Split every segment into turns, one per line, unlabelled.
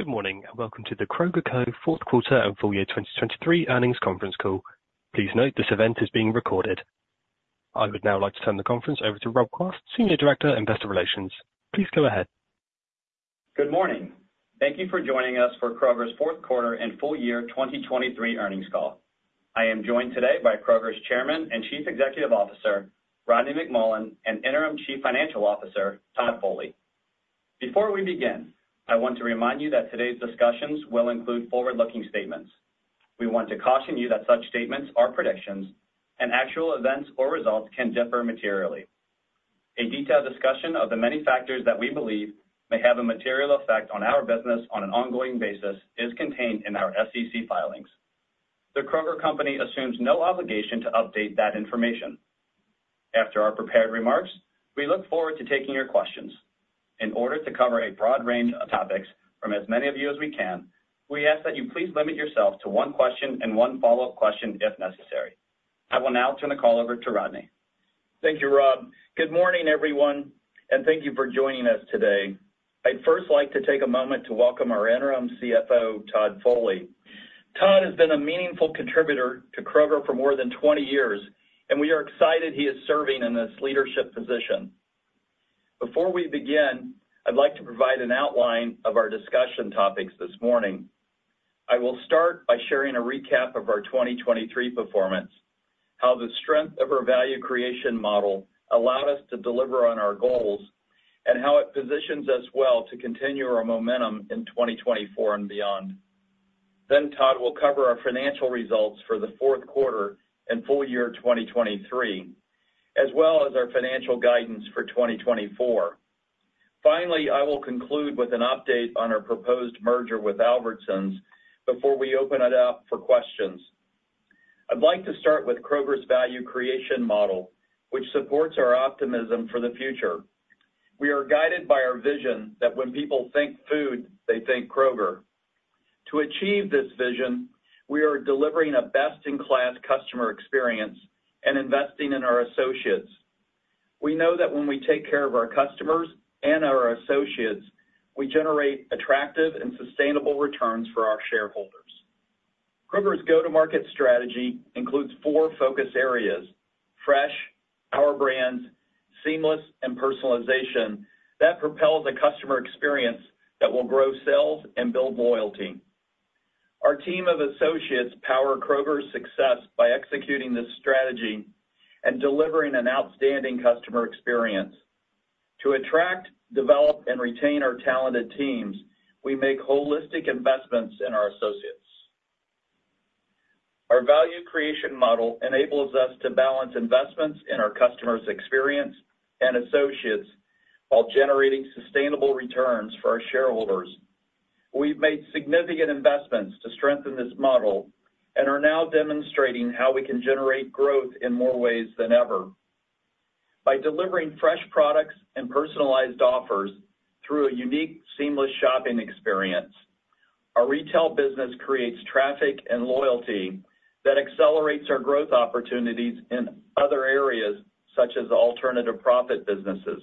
Good morning, and welcome to the Kroger Co. Q4 and full year 2023 earnings conference call. Please note, this event is being recorded. I would now like to turn the conference over to Rob Quast, Senior Director, Investor Relations. Please go ahead.
Good morning. Thank you for joining us for Kroger's Q4 and full year 2023 earnings call. I am joined today by Kroger's Chairman and Chief Executive Officer, Rodney McMullen, and Interim Chief Financial Officer, Todd Foley. Before we begin, I want to remind you that today's discussions will include forward-looking statements. We want to caution you that such statements are predictions, and actual events or results can differ materially. A detailed discussion of the many factors that we believe may have a material effect on our business on an ongoing basis is contained in our SEC filings. The Kroger Co. assumes no obligation to update that information. After our prepared remarks, we look forward to taking your questions. In order to cover a broad range of topics from as many of you as we can, we ask that you please limit yourself to one question and one follow-up question if necessary. I will now turn the call over to Rodney.
Thank you, Rob. Good morning, everyone, and thank you for joining us today. I'd first like to take a moment to welcome our Interim CFO, Todd Foley. Todd has been a meaningful contributor to Kroger for more than 20 years, and we are excited he is serving in this leadership position. Before we begin, I'd like to provide an outline of our discussion topics this morning. I will start by sharing a recap of our 2023 performance, how the strength of our value creation model allowed us to deliver on our goals, and how it positions us well to continue our momentum in 2024 and beyond. Then Todd will cover our financial results for the Q4 and full year 2023, as well as our financial guidance for 2024. Finally, I will conclude with an update on our proposed merger with Albertsons before we open it up for questions. I'd like to start with Kroger's value creation model, which supports our optimism for the future. We are guided by our vision that when people think food, they think Kroger. To achieve this vision, we are delivering a best-in-class customer experience and investing in our associates. We know that when we take care of our customers and our associates, we generate attractive and sustainable returns for our shareholders. Kroger's go-to-market strategy includes four focus areas, fresh, Our Brands, seamless, and personalization that propels a customer experience that will grow sales and build loyalty. Our team of associates power Kroger's success by executing this strategy and delivering an outstanding customer experience. To attract, develop, and retain our talented teams, we make holistic investments in our associates. Our value creation model enables us to balance investments in our customer's experience and associates while generating sustainable returns for our shareholders. We've made significant investments to strengthen this model and are now demonstrating how we can generate growth in more ways than ever. By delivering fresh products and personalized offers through a unique, seamless shopping experience, our retail business creates traffic and loyalty that accelerates our growth opportunities in other areas, such as alternative profit businesses.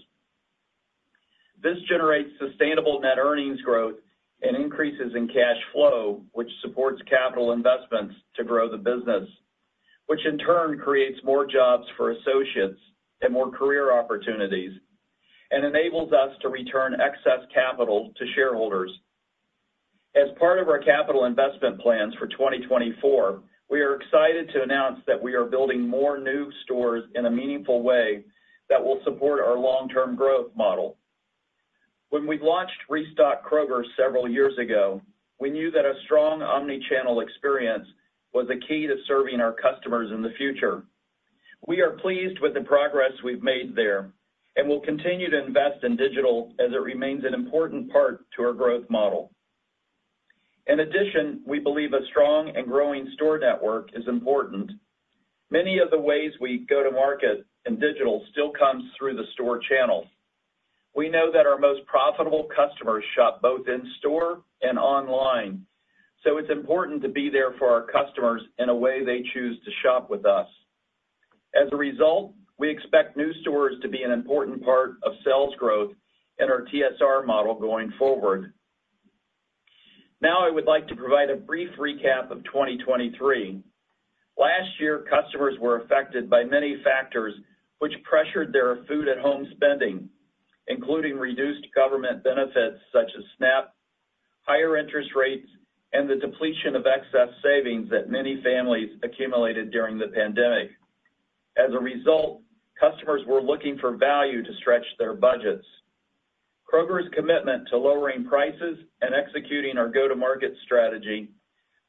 This generates sustainable net earnings growth and increases in cash flow, which supports capital investments to grow the business, which in turn creates more jobs for associates and more career opportunities and enables us to return excess capital to shareholders. As part of our capital investment plans for 2024, we are excited to announce that we are building more new stores in a meaningful way that will support our long-term growth model. When we launched Restock Kroger several years ago, we knew that a strong omni-channel experience was the key to serving our customers in the future. We are pleased with the progress we've made there, and we'll continue to invest in digital as it remains an important part to our growth model. In addition, we believe a strong and growing store network is important. Many of the ways we go to market in digital still comes through the store channels. We know that our most profitable customers shop both in store and online, so it's important to be there for our customers in a way they choose to shop with us. As a result, we expect new stores to be an important part of sales growth in our TSR model going forward. Now, I would like to provide a brief recap of 2023. Last year, customers were affected by many factors which pressured their food at home spending, including reduced government benefits such as SNAP, higher interest rates, and the depletion of excess savings that many families accumulated during the pandemic. As a result, customers were looking for value to stretch their budgets. Kroger's commitment to lowering prices and executing our go-to-market strategy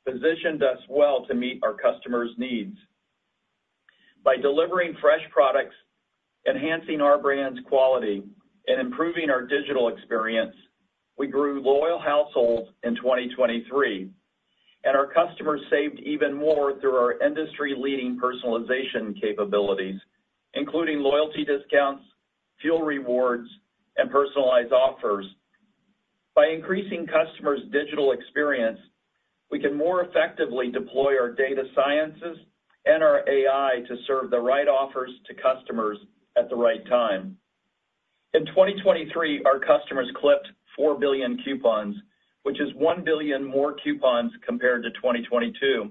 positioned us well to meet our customers' needs. By delivering fresh products, enhancing our brand's quality, and improving our digital experience, we grew loyal households in 2023, and our customers saved even more through our industry-leading personalization capabilities, including loyalty discounts, fuel rewards, and personalized offers. By increasing customers' digital experience, we can more effectively deploy our data sciences and our AI to serve the right offers to customers at the right time. In 2023, our customers clipped 4 billion coupons, which is 1 billion more coupons compared to 2022.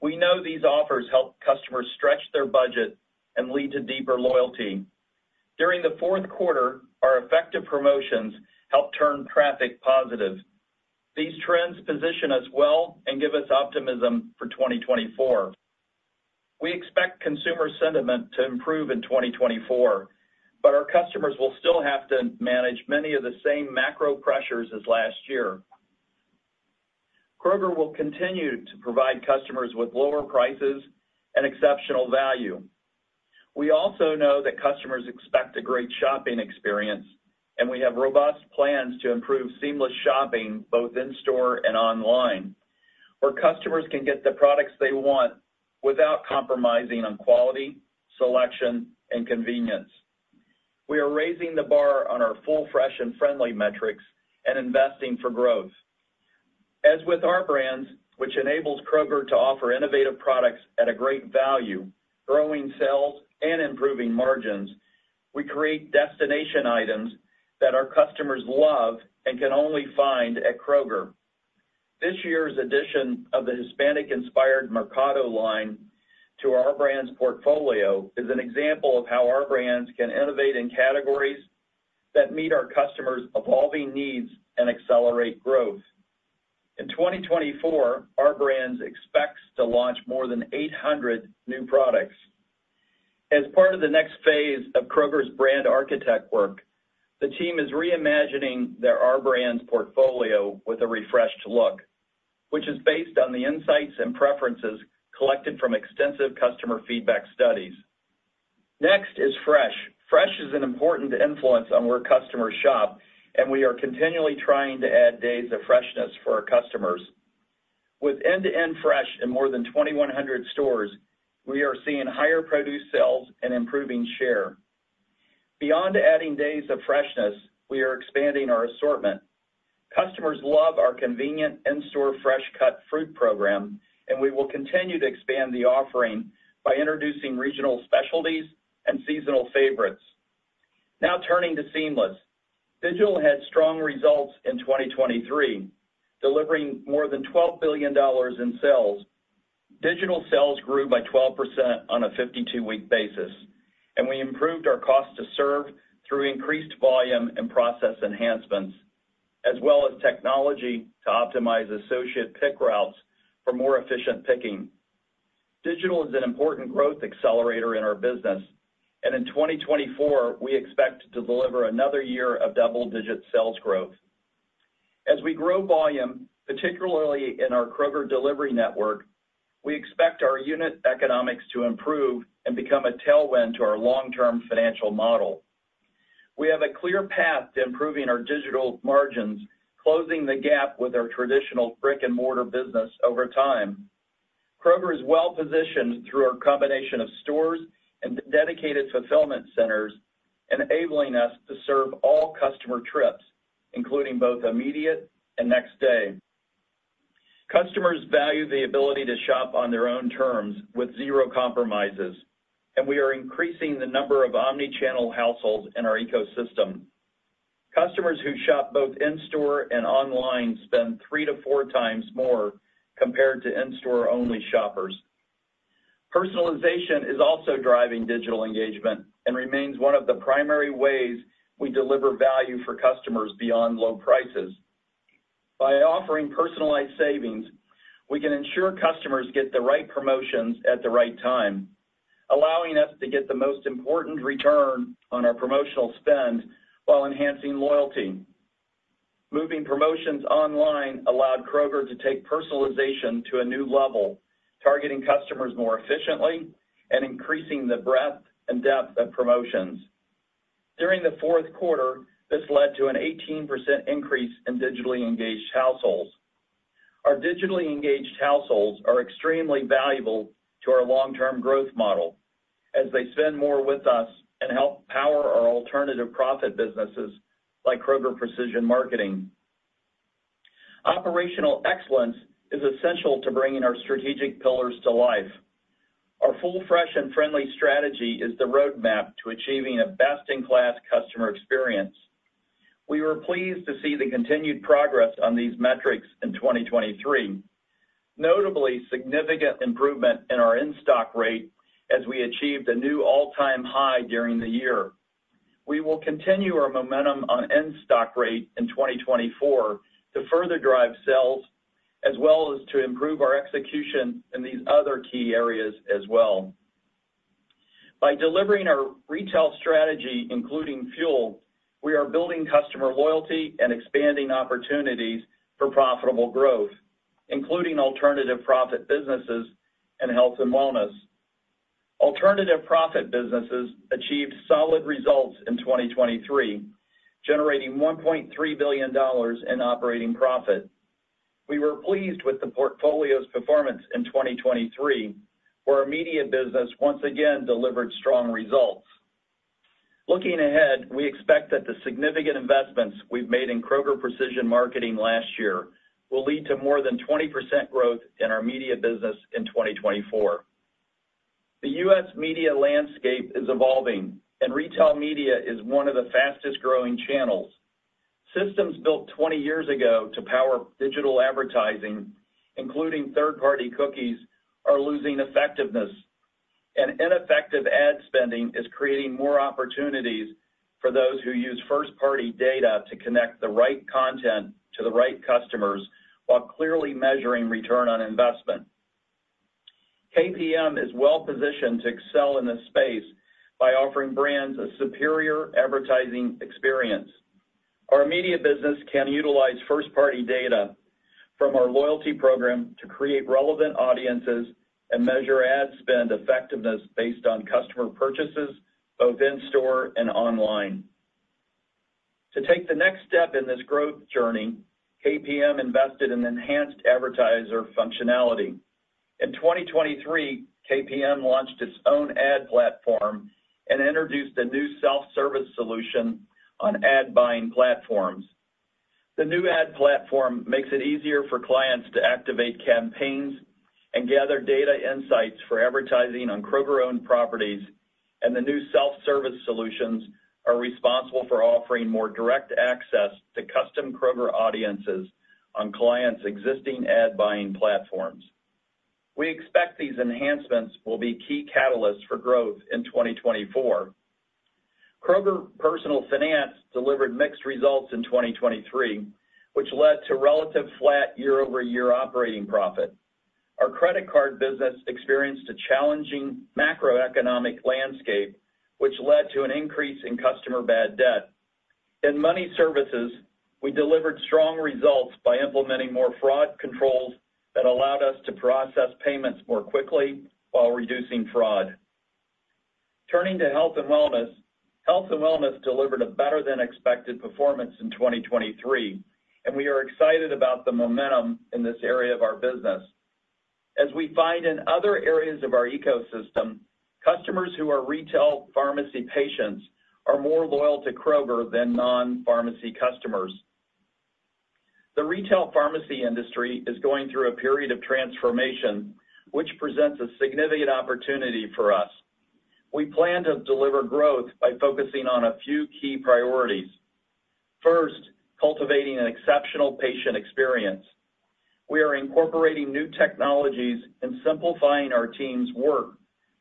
We know these offers help customers stretch their budget and lead to deeper loyalty. During the Q4, our effective promotions helped turn traffic positive. These trends position us well and give us optimism for 2024. We expect consumer sentiment to improve in 2024, but our customers will still have to manage many of the same macro pressures as last year. Kroger will continue to provide customers with lower prices and exceptional value. We also know that customers expect a great shopping experience, and we have robust plans to improve seamless shopping, both in store and online, where customers can get the products they want without compromising on quality, selection, and convenience. We are raising the bar on our Full, Fresh & Friendly metrics and investing for growth. As with Our Brands, which enables Kroger to offer innovative products at a great value, growing sales and improving margins, we create destination items that our customers love and can only find at Kroger. This year's edition of the Hispanic-inspired Mercado line to Our Brands portfolio is an example of how Our Brands can innovate in categories that meet our customers' evolving needs and accelerate growth. In 2024, Our Brands expects to launch more than 800 new products. As part of the next phase of Kroger's brand architect work, the team is reimagining their Our Brands portfolio with a refreshed look, which is based on the insights and preferences collected from extensive customer feedback studies. Next is fresh. Fresh is an important influence on where customers shop, and we are continually trying to add days of freshness for our customers. With end-to-end fresh in more than 2,100 stores, we are seeing higher produce sales and improving share. Beyond adding days of freshness, we are expanding our assortment. Customers love our convenient in-store fresh cut fruit program, and we will continue to expand the offering by introducing regional specialties and seasonal favorites. Now turning to Seamless. Digital had strong results in 2023, delivering more than $12 billion in sales. Digital sales grew by 12% on a 52-week basis, and we improved our cost to serve through increased volume and process enhancements, as well as technology to optimize associate pick routes for more efficient picking. Digital is an important growth accelerator in our business, and in 2024, we expect to deliver another year of double-digit sales growth. As we grow volume, particularly in our Kroger Delivery network, we expect our unit economics to improve and become a tailwind to our long-term financial model. We have a clear path to improving our digital margins, closing the gap with our traditional brick-and-mortar business over time. Kroger is well positioned through our combination of stores and dedicated fulfillment centers, enabling us to serve all customer trips, including both immediate and next day. Customers value the ability to shop on their own terms with zero compromises, and we are increasing the number of omni-channel households in our ecosystem. Customers who shop both in store and online spend three to four times more compared to in-store only shoppers. Personalization is also driving digital engagement and remains one of the primary ways we deliver value for customers beyond low prices. By offering personalized savings, we can ensure customers get the right promotions at the right time, allowing us to get the most important return on our promotional spend while enhancing loyalty. Moving promotions online allowed Kroger to take personalization to a new level, targeting customers more efficiently and increasing the breadth and depth of promotions. During the Q4, this led to an 18% increase in digitally engaged households. Our digitally engaged households are extremely valuable to our long-term growth model as they spend more with us and help power our alternative profit businesses like Kroger Precision Marketing. Operational excellence is essential to bringing our strategic pillars to life. Our full fresh and friendly strategy is the roadmap to achieving a best-in-class customer experience. We were pleased to see the continued progress on these metrics in 2023, notably significant improvement in our in-stock rate as we achieved a new all-time high during the year. We will continue our momentum on in-stock rate in 2024 to further drive sales, as well as to improve our execution in these other key areas as well. By delivering our retail strategy, including fuel, we are building customer loyalty and expanding opportunities for profitable growth, including alternative profit businesses and health and wellness. Alternative profit businesses achieved solid results in 2023, generating $1.3 billion in operating profit. We were pleased with the portfolio's performance in 2023, where our media business once again delivered strong results.... Looking ahead, we expect that the significant investments we've made in Kroger Precision Marketing last year will lead to more than 20% growth in our media business in 2024. The U.S. media landscape is evolving, and retail media is one of the fastest growing channels. Systems built 20 years ago to power digital advertising, including third-party cookies, are losing effectiveness, and ineffective ad spending is creating more opportunities for those who use first-party data to connect the right content to the right customers, while clearly measuring return on investment. KPM is well positioned to excel in this space by offering brands a superior advertising experience. Our media business can utilize first-party data from our loyalty program to create relevant audiences and measure ad spend effectiveness based on customer purchases, both in store and online. To take the next step in this growth journey, KPM invested in enhanced advertiser functionality. In 2023, KPM launched its own ad platform and introduced a new self-service solution on ad buying platforms. The new ad platform makes it easier for clients to activate campaigns and gather data insights for advertising on Kroger-owned properties, and the new self-service solutions are responsible for offering more direct access to custom Kroger audiences on clients' existing ad buying platforms. We expect these enhancements will be key catalysts for growth in 2024. Kroger Personal Finance delivered mixed results in 2023, which led to relatively flat year-over-year operating profit. Our credit card business experienced a challenging macroeconomic landscape, which led to an increase in customer bad debt. In money services, we delivered strong results by implementing more fraud controls that allowed us to process payments more quickly while reducing fraud. Turning to Health and Wellness. Health and Wellness delivered a better than expected performance in 2023, and we are excited about the momentum in this area of our business. As we find in other areas of our ecosystem, customers who are retail pharmacy patients are more loyal to Kroger than non-pharmacy customers. The retail pharmacy industry is going through a period of transformation, which presents a significant opportunity for us. We plan to deliver growth by focusing on a few key priorities. First, cultivating an exceptional patient experience. We are incorporating new technologies and simplifying our team's work,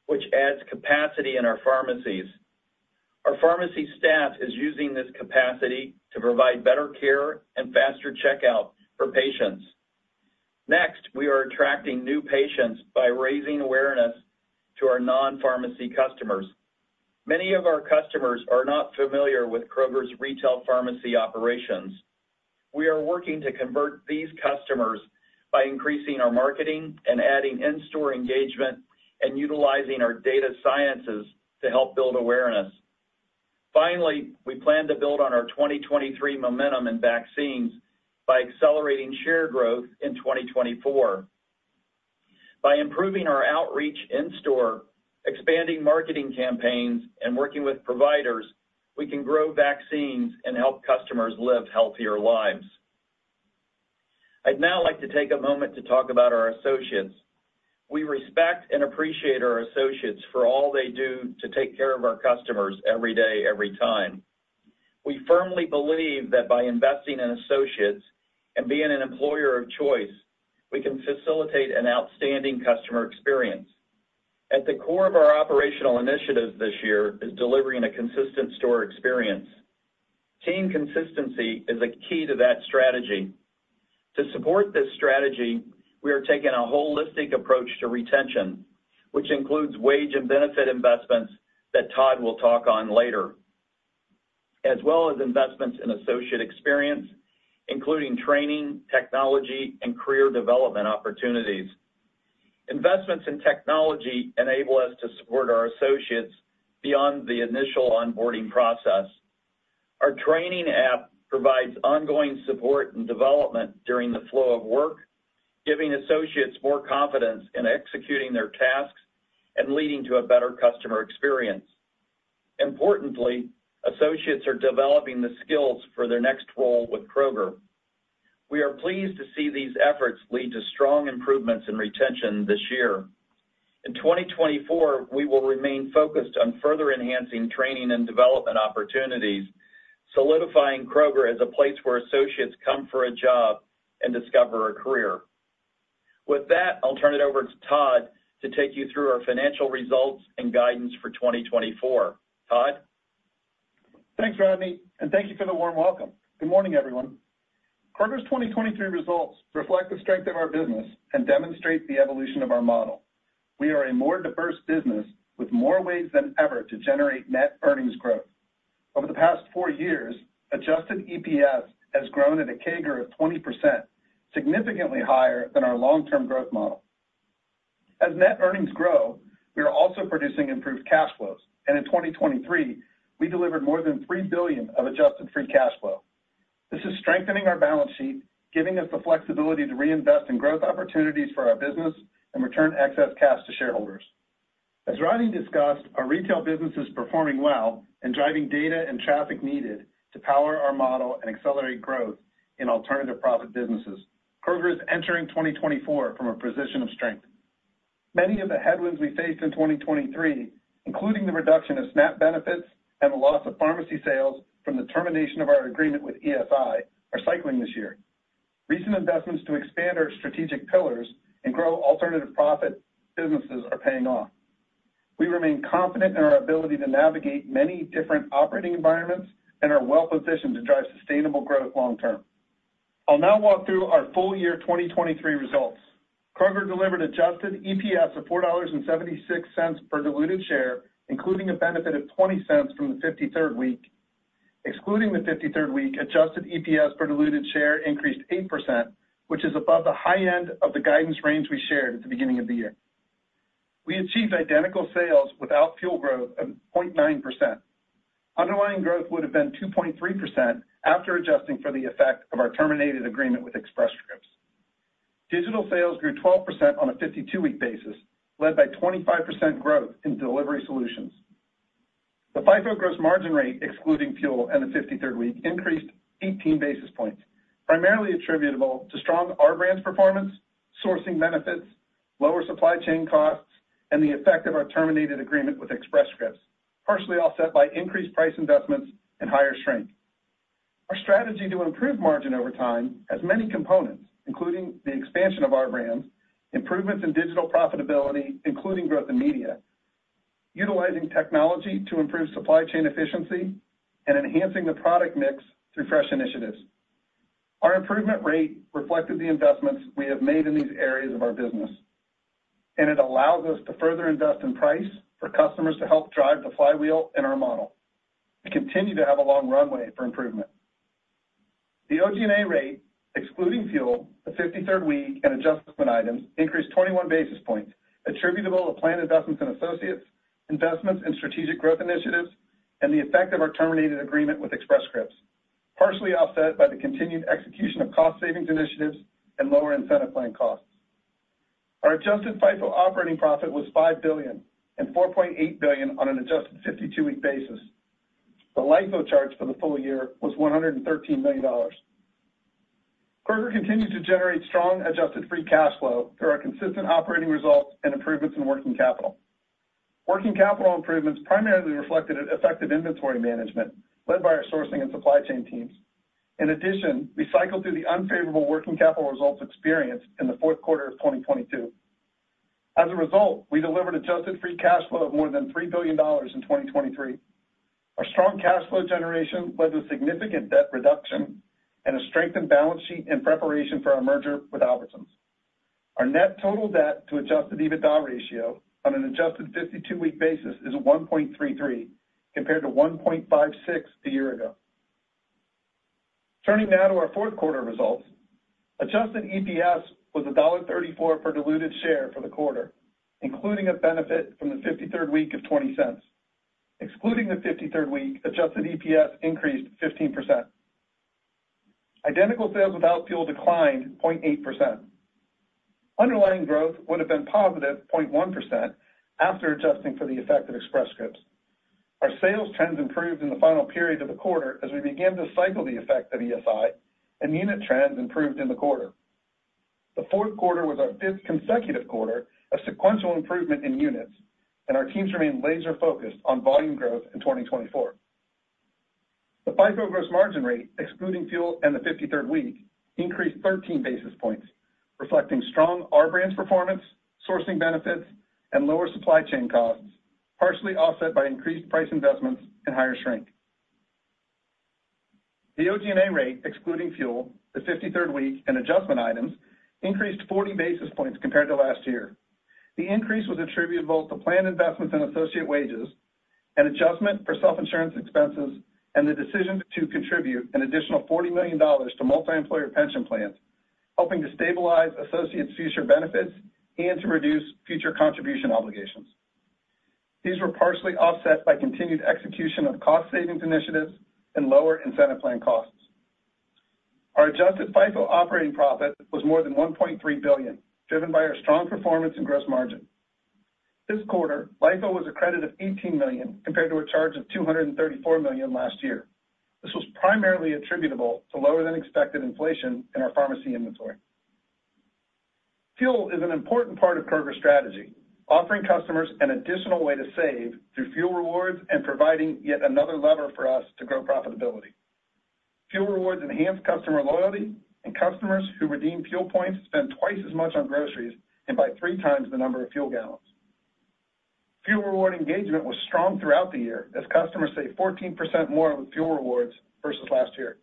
which adds capacity in our pharmacies. Our pharmacy staff is using this capacity to provide better care and faster checkout for patients. Next, we are attracting new patients by raising awareness to our non-pharmacy customers. Many of our customers are not familiar with Kroger's retail pharmacy operations. We are working to convert these customers by increasing our marketing and adding in-store engagement and utilizing our data sciences to help build awareness. Finally, we plan to build on our 2023 momentum in vaccines by accelerating share growth in 2024. By improving our outreach in store, expanding marketing campaigns, and working with providers, we can grow vaccines and help customers live healthier lives. I'd now like to take a moment to talk about our associates. We respect and appreciate our associates for all they do to take care of our customers every day, every time. We firmly believe that by investing in associates and being an employer of choice, we can facilitate an outstanding customer experience. At the core of our operational initiatives this year is delivering a consistent store experience. Team consistency is a key to that strategy. To support this strategy, we are taking a holistic approach to retention, which includes wage and benefit investments that Todd will talk on later, as well as investments in associate experience, including training, technology, and career development opportunities. Investments in technology enable us to support our associates beyond the initial onboarding process. Our training app provides ongoing support and development during the flow of work, giving associates more confidence in executing their tasks and leading to a better customer experience. Importantly, associates are developing the skills for their next role with Kroger. We are pleased to see these efforts lead to strong improvements in retention this year. In 2024, we will remain focused on further enhancing training and development opportunities, solidifying Kroger as a place where associates come for a job and discover a career. With that, I'll turn it over to Todd to take you through our financial results and guidance for 2024. Todd?
Thanks, Rodney, and thank you for the warm welcome. Good morning, everyone. Kroger's 2023 results reflect the strength of our business and demonstrate the evolution of our model. We are a more diverse business with more ways than ever to generate net earnings growth. Over the past four years, adjusted EPS has grown at a CAGR of 20%, significantly higher than our long-term growth model. As net earnings grow, we are also producing improved cash flows, and in 2023, we delivered more than $3 billion of adjusted free cash flow, strengthening our balance sheet, giving us the flexibility to reinvest in growth opportunities for our business and return excess cash to shareholders. As Rodney discussed, our retail business is performing well and driving data and traffic needed to power our model and accelerate growth in alternative profit businesses. Kroger is entering 2024 from a position of strength. Many of the headwinds we faced in 2023, including the reduction of SNAP benefits and the loss of pharmacy sales from the termination of our agreement with ESI, are cycling this year. Recent investments to expand our strategic pillars and grow alternative profit businesses are paying off. We remain confident in our ability to navigate many different operating environments and are well-positioned to drive sustainable growth long term. I'll now walk through our full year 2023 results. Kroger delivered Adjusted EPS of $4.76 per diluted share, including a benefit of $0.20 from the 53rd week. Excluding the 53rd week, Adjusted EPS per diluted share increased 8%, which is above the high end of the guidance range we shared at the beginning of the year. We achieved Identical Sales without fuel growth of 0.9%. Underlying growth would have been 2.3% after adjusting for the effect of our terminated agreement with Express Scripts. Digital sales grew 12% on a 52-week basis, led by 25% growth in delivery solutions. The FIFO gross margin rate, excluding fuel and the 53rd week, increased 18 basis points, primarily attributable to strong Our Brands performance, sourcing benefits, lower supply chain costs, and the effect of our terminated agreement with Express Scripts, partially offset by increased price investments and higher shrink. Our strategy to improve margin over time has many components, including the expansion of Our Brands, improvements in digital profitability, including growth in media, utilizing technology to improve supply chain efficiency, and enhancing the product mix through fresh initiatives. Our improvement rate reflected the investments we have made in these areas of our business, and it allows us to further invest in price for customers to help drive the flywheel in our model. We continue to have a long runway for improvement. The OG&A rate, excluding fuel, the 53rd week, and adjustment items, increased 21 basis points, attributable to planned investments in associates, investments in strategic growth initiatives, and the effect of our terminated agreement with Express Scripts, partially offset by the continued execution of cost savings initiatives and lower incentive plan costs. Our adjusted FIFO operating profit was $5 billion and $4.8 billion on an adjusted 52-week basis. The LIFO charge for the full year was $113 million. Kroger continued to generate strong adjusted free cash flow through our consistent operating results and improvements in working capital. Working capital improvements primarily reflected effective inventory management led by our sourcing and supply chain teams. In addition, we cycled through the unfavorable working capital results experienced in the Q4 of 2022. As a result, we delivered adjusted free cash flow of more than $3 billion in 2023. Our strong cash flow generation led to significant debt reduction and a strengthened balance sheet in preparation for our merger with Albertsons. Our net total debt to Adjusted EBITDA ratio on an adjusted fifty-two-week basis is 1.33, compared to 1.56 a year ago. Turning now to our Q4 results, Adjusted EPS was $1.34 per diluted share for the quarter, including a benefit from the fifty-third week of $0.20. Excluding the fifty-third week, Adjusted EPS increased 15%. Identical Sales without fuel declined 0.8%. Underlying growth would have been positive 0.1% after adjusting for the effect of Express Scripts. Our sales trends improved in the final period of the quarter as we began to cycle the effect of ESI, and unit trends improved in the quarter. The Q4 was our fifth consecutive quarter of sequential improvement in units, and our teams remain laser-focused on volume growth in 2024. The FIFO gross margin rate, excluding fuel and the 53rd week, increased 13 basis points, reflecting strong Our Brands performance, sourcing benefits, and lower supply chain costs, partially offset by increased price investments and higher shrink. The OG&A rate, excluding fuel, the 53rd week, and adjustment items, increased 40 basis points compared to last year. The increase was attributable to planned investments in associate wages and adjustment for self-insurance expenses and the decision to contribute an additional $40 million to multi-employer pension plans, helping to stabilize associates' future benefits and to reduce future contribution obligations. These were partially offset by continued execution of cost savings initiatives and lower incentive plan costs. Our adjusted FIFO operating profit was more than $1.3 billion, driven by our strong performance in gross margin. This quarter, LIFO was a credit of $18 million, compared to a charge of $234 million last year. This was primarily attributable to lower-than-expected inflation in our pharmacy inventory. Fuel is an important part of Kroger's strategy, offering customers an additional way to save through fuel rewards and providing yet another lever for us to grow profitability. Fuel rewards enhance customer loyalty, and customers who redeem fuel points spend twice as much on groceries and buy three times the number of fuel gallons. Fuel reward engagement was strong throughout the year, as customers saved 14% more with fuel rewards versus last year.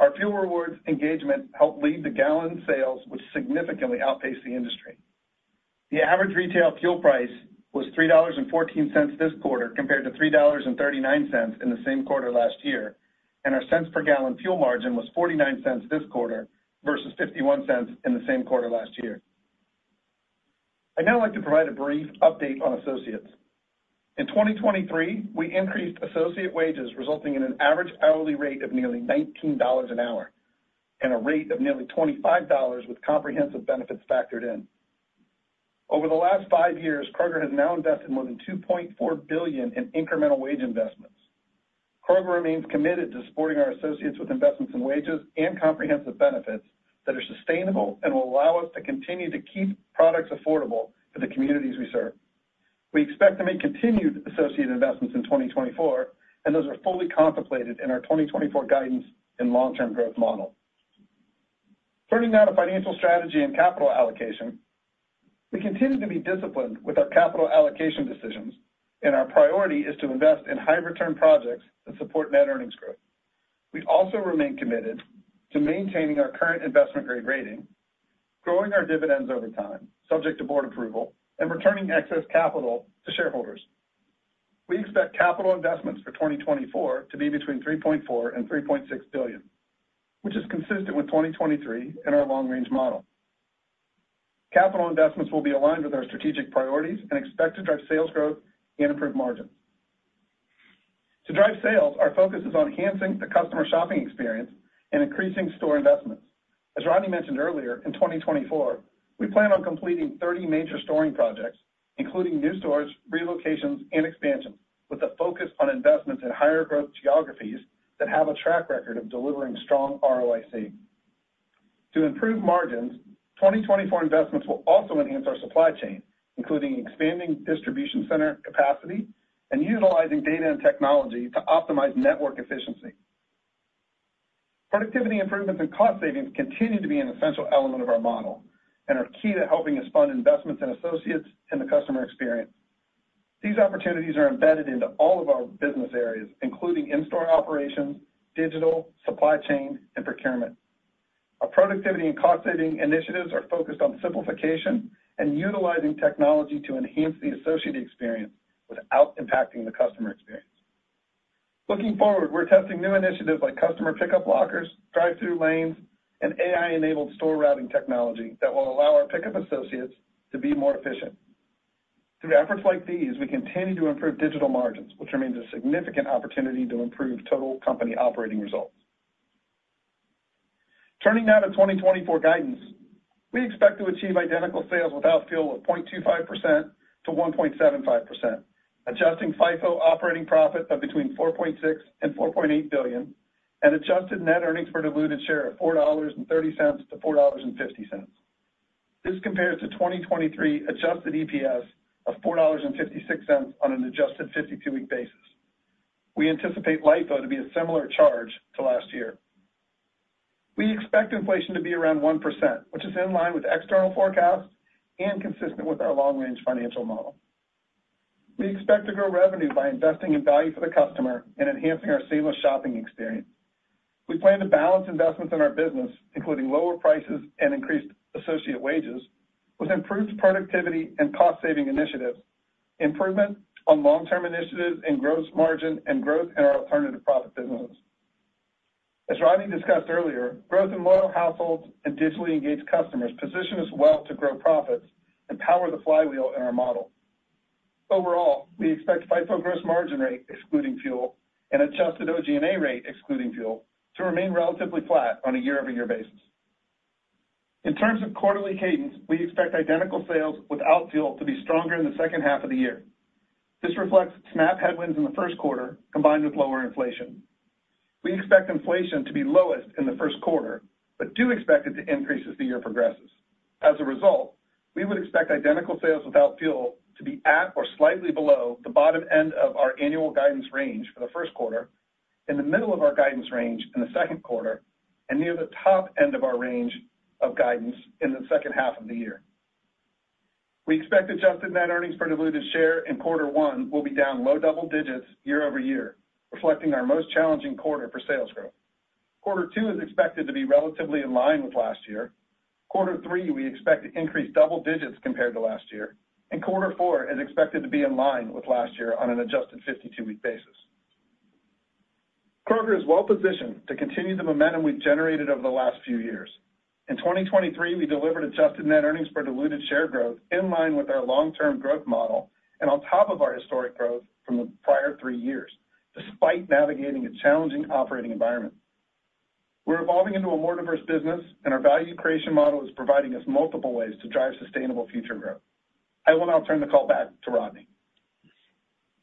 Our fuel rewards engagement helped lead the gallon sales, which significantly outpaced the industry. The average retail fuel price was $3.14 this quarter, compared to $3.39 in the same quarter last year, and our cents-per-gallon fuel margin was $0.49 this quarter versus $0.51 in the same quarter last year. I'd now like to provide a brief update on associates. In 2023, we increased associate wages, resulting in an average hourly rate of nearly $19 an hour and a rate of nearly $25 with comprehensive benefits factored in. Over the last five years, Kroger has now invested more than $2.4 billion in incremental wage investments. Kroger remains committed to supporting our associates with investments in wages and comprehensive benefits that are sustainable and will allow us to continue to keep products affordable to the communities we serve. We expect to make continued associate investments in 2024, and those are fully contemplated in our 2024 guidance and long-term growth model. Turning now to financial strategy and capital allocation. We continue to be disciplined with our capital allocation decisions, and our priority is to invest in high return projects that support net earnings growth. We also remain committed to maintaining our current investment-grade rating, growing our dividends over time, subject to board approval, and returning excess capital to shareholders. We expect capital investments for 2024 to be between $3.4 billion-$3.6 billion, which is consistent with 2023 and our long-range model. Capital investments will be aligned with our strategic priorities and expect to drive sales growth and improve margins. To drive sales, our focus is on enhancing the customer shopping experience and increasing store investments. As Rodney mentioned earlier, in 2024, we plan on completing 30 major store projects, including new stores, relocations, and expansion, with a focus on investments in higher growth geographies that have a track record of delivering strong ROIC. To improve margins, 2024 investments will also enhance our supply chain, including expanding distribution center capacity and utilizing data and technology to optimize network efficiency. Productivity improvements and cost savings continue to be an essential element of our model and are key to helping us fund investments in associates and the customer experience. These opportunities are embedded into all of our business areas, including in-store operations, digital, supply chain, and procurement. Our productivity and cost-saving initiatives are focused on simplification and utilizing technology to enhance the associate experience without impacting the customer experience. Looking forward, we're testing new initiatives like customer pickup lockers, drive-thru lanes, and AI-enabled store routing technology that will allow our pickup associates to be more efficient. Through efforts like these, we continue to improve digital margins, which remains a significant opportunity to improve total company operating results. Turning now to 2024 guidance. We expect to achieve identical sales without fuel of 0.25%-1.75%, adjusted FIFO operating profit of between $4.6 billion and $4.8 billion, and adjusted net earnings per diluted share of $4.30-$4.50. This compares to 2023 adjusted EPS of $4.56 on an adjusted 52-week basis. We anticipate LIFO to be a similar charge to last year. We expect inflation to be around 1%, which is in line with external forecasts and consistent with our long-range financial model. We expect to grow revenue by investing in value for the customer and enhancing our seamless shopping experience. We plan to balance investments in our business, including lower prices and increased associate wages, with improved productivity and cost-saving initiatives, improvement on long-term initiatives in gross margin and growth in our alternative profit businesses. As Rodney discussed earlier, growth in loyal households and digitally engaged customers position us well to grow profits and power the flywheel in our model. Overall, we expect FIFO gross margin rate, excluding fuel, and adjusted OG&A rate, excluding fuel, to remain relatively flat on a year-over-year basis. In terms of quarterly cadence, we expect identical sales without fuel to be stronger in the second half of the year. This reflects SNAP headwinds in the Q1, combined with lower inflation. We expect inflation to be lowest in the Q1, but do expect it to increase as the year progresses. As a result, we would expect identical sales without fuel to be at or slightly below the bottom end of our annual guidance range for the Q1, in the middle of our guidance range in the Q2, and near the top end of our range of guidance in the second half of the year. We expect adjusted net earnings per diluted share in quarter one will be down low double digits year-over-year, reflecting our most challenging quarter for sales growth. Quarter two is expected to be relatively in line with last year. Quarter three, we expect to increase double digits compared to last year, and quarter four is expected to be in line with last year on an adjusted 52-week basis. Kroger is well positioned to continue the momentum we've generated over the last few years. In 2023, we delivered adjusted net earnings per diluted share growth in line with our long-term growth model and on top of our historic growth from the prior 3 years, despite navigating a challenging operating environment. We're evolving into a more diverse business, and our value creation model is providing us multiple ways to drive sustainable future growth. I will now turn the call back to Rodney.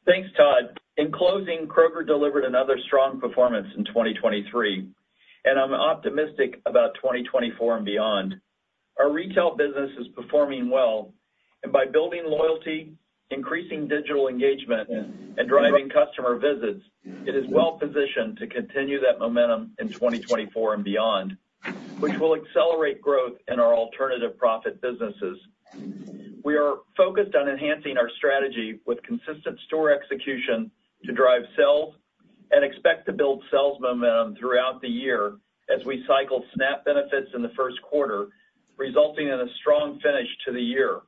Thanks, Todd. In closing, Kroger delivered another strong performance in 2023, and I'm optimistic about 2024 and beyond. Our retail business is performing well, and by building loyalty, increasing digital engagement, and driving customer visits, it is well positioned to continue that momentum in 2024 and beyond, which will accelerate growth in our alternative profit businesses. We are focused on enhancing our strategy with consistent store execution to drive sales and expect to build sales momentum throughout the year as we cycle SNAP benefits in the Q1, resulting in a strong finish to the year.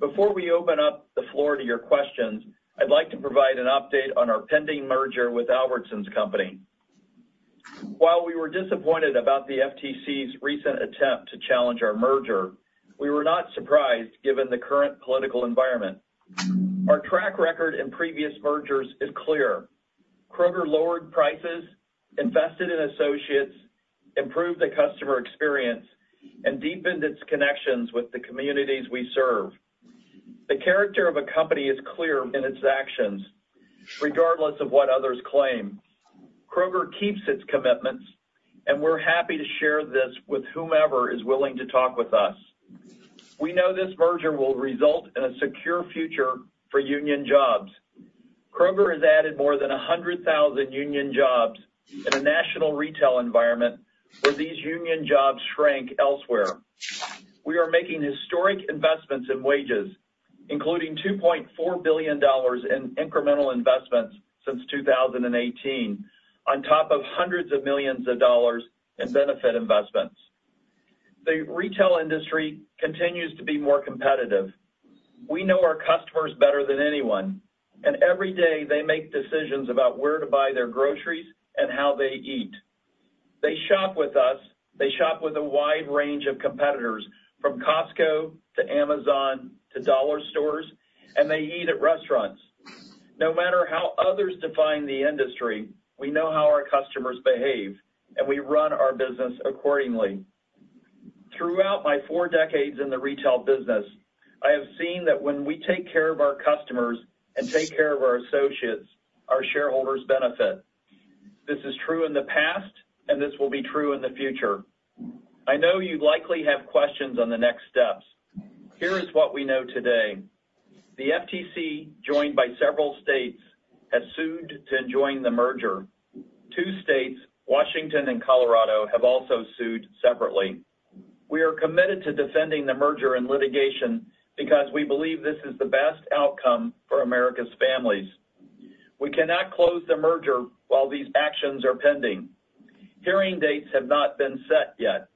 Before we open up the floor to your questions, I'd like to provide an update on our pending merger with Albertsons Companies. While we were disappointed about the FTC's recent attempt to challenge our merger, we were not surprised, given the current political environment. Our track record in previous mergers is clear. Kroger lowered prices, invested in associates, improved the customer experience, and deepened its connections with the communities we serve. The character of a company is clear in its actions, regardless of what others claim. Kroger keeps its commitments, and we're happy to share this with whomever is willing to talk with us. We know this merger will result in a secure future for union jobs. Kroger has added more than 100,000 union jobs in a national retail environment where these union jobs shrank elsewhere. We are making historic investments in wages, including $2.4 billion in incremental investments since 2018, on top of hundreds of millions of dollars in benefit investments. The retail industry continues to be more competitive. We know our customers better than anyone, and every day they make decisions about where to buy their groceries and how they eat. They shop with us. They shop with a wide range of competitors, from Costco to Amazon to dollar stores, and they eat at restaurants. No matter how others define the industry, we know how our customers behave, and we run our business accordingly. Throughout my four decades in the retail business, I have seen that when we take care of our customers and take care of our associates, our shareholders benefit. This is true in the past, and this will be true in the future. I know you likely have questions on the next steps. Here is what we know today. The FTC, joined by several states, has sued to enjoin the merger. Two states, Washington and Colorado, have also sued separately. We are committed to defending the merger and litigation because we believe this is the best outcome for America's families. We cannot close the merger while these actions are pending. Hearing dates have not been set yet,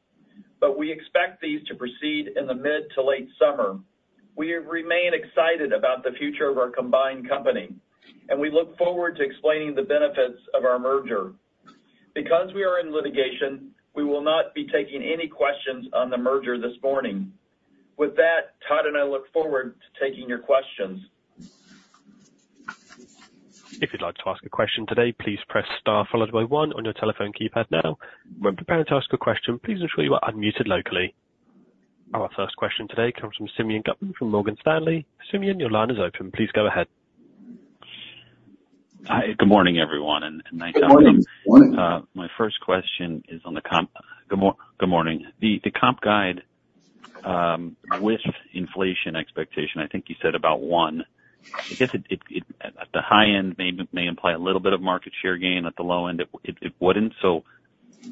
but we expect these to proceed in the mid to late summer. We remain excited about the future of our combined company, and we look forward to explaining the benefits of our merger. Because we are in litigation, we will not be taking any questions on the merger this morning. With that, Todd and I look forward to taking your questions.
If you'd like to ask a question today, please press star followed by one on your telephone keypad now. When preparing to ask a question, please ensure you are unmuted locally. Our first question today comes from Simeon Gutman from Morgan Stanley. Simeon, your line is open. Please go ahead.
Hi, good morning, everyone, and nice-
Good morning. Good morning.
My first question is on the comp. Good morning. The comp guide, with inflation expectation, I think you said about 1. I guess at the high end, may imply a little bit of market share gain. At the low end, it wouldn't. So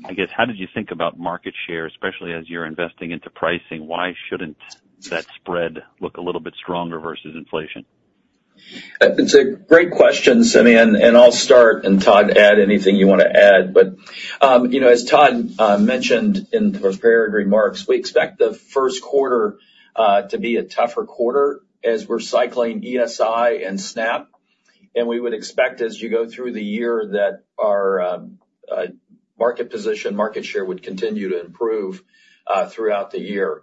I guess, how did you think about market share, especially as you're investing into pricing, why shouldn't that spread look a little bit stronger versus inflation?
It's a great question, Simeon, and I'll start, and Todd, add anything you wanna add. But, you know, as Todd mentioned in the prepared remarks, we expect the Q1 to be a tougher quarter as we're cycling ESI and SNAP. And we would expect, as you go through the year, that our market position, market share, would continue to improve throughout the year,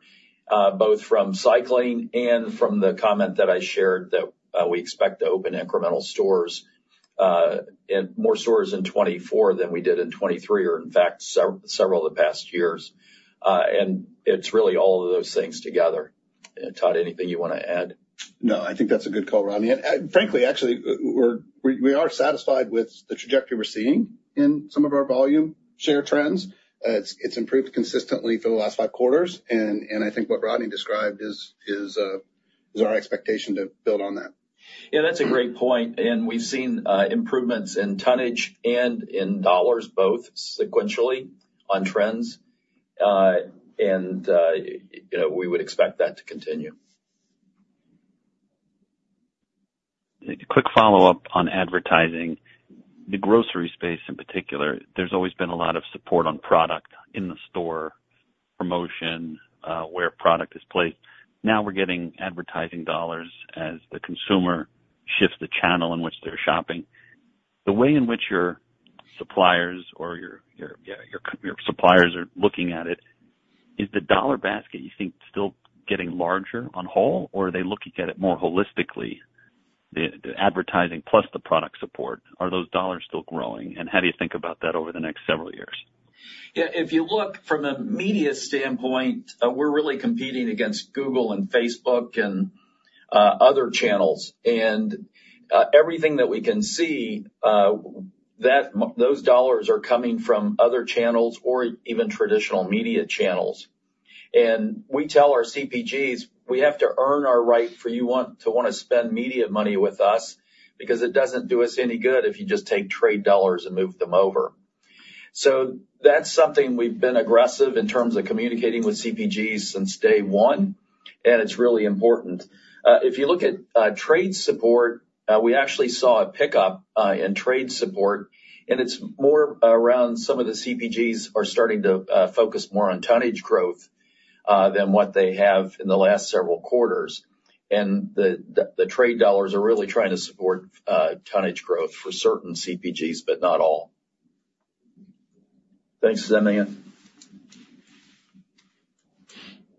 both from cycling and from the comment that I shared, that we expect to open incremental stores, and more stores in 2024 than we did in 2023, or in fact, several of the past years. And it's really all of those things together. And Todd, anything you wanna add?
No, I think that's a good call, Rodney. And, frankly, actually, we are satisfied with the trajectory we're seeing in some of our volume share trends. It's improved consistently for the last five quarters, and I think what Rodney described is our expectation to build on that.
Yeah, that's a great point, and we've seen improvements in tonnage and in dollars, both sequentially on trends. And, you know, we would expect that to continue.
A quick follow-up on advertising. The grocery space in particular, there's always been a lot of support on product in the store, promotion, where product is placed. Now we're getting advertising dollars as the consumer shifts the channel in which they're shopping. The way in which your suppliers or your suppliers are looking at it, is the dollar basket, you think, still getting larger on the whole, or are they looking at it more holistically, the advertising plus the product support, are those dollars still growing, and how do you think about that over the next several years?
Yeah, if you look from a media standpoint, we're really competing against Google and Facebook and other channels. And everything that we can see, that those dollars are coming from other channels or even traditional media channels. And we tell our CPGs, "We have to earn our right for you to wanna spend media money with us, because it doesn't do us any good if you just take trade dollars and move them over." So that's something we've been aggressive in terms of communicating with CPGs since day one, and it's really important. If you look at trade support, we actually saw a pickup in trade support, and it's more around some of the CPGs are starting to focus more on tonnage growth than what they have in the last several quarters.... and the trade dollars are really trying to support tonnage growth for certain CPGs, but not all.
Thanks, Simeon.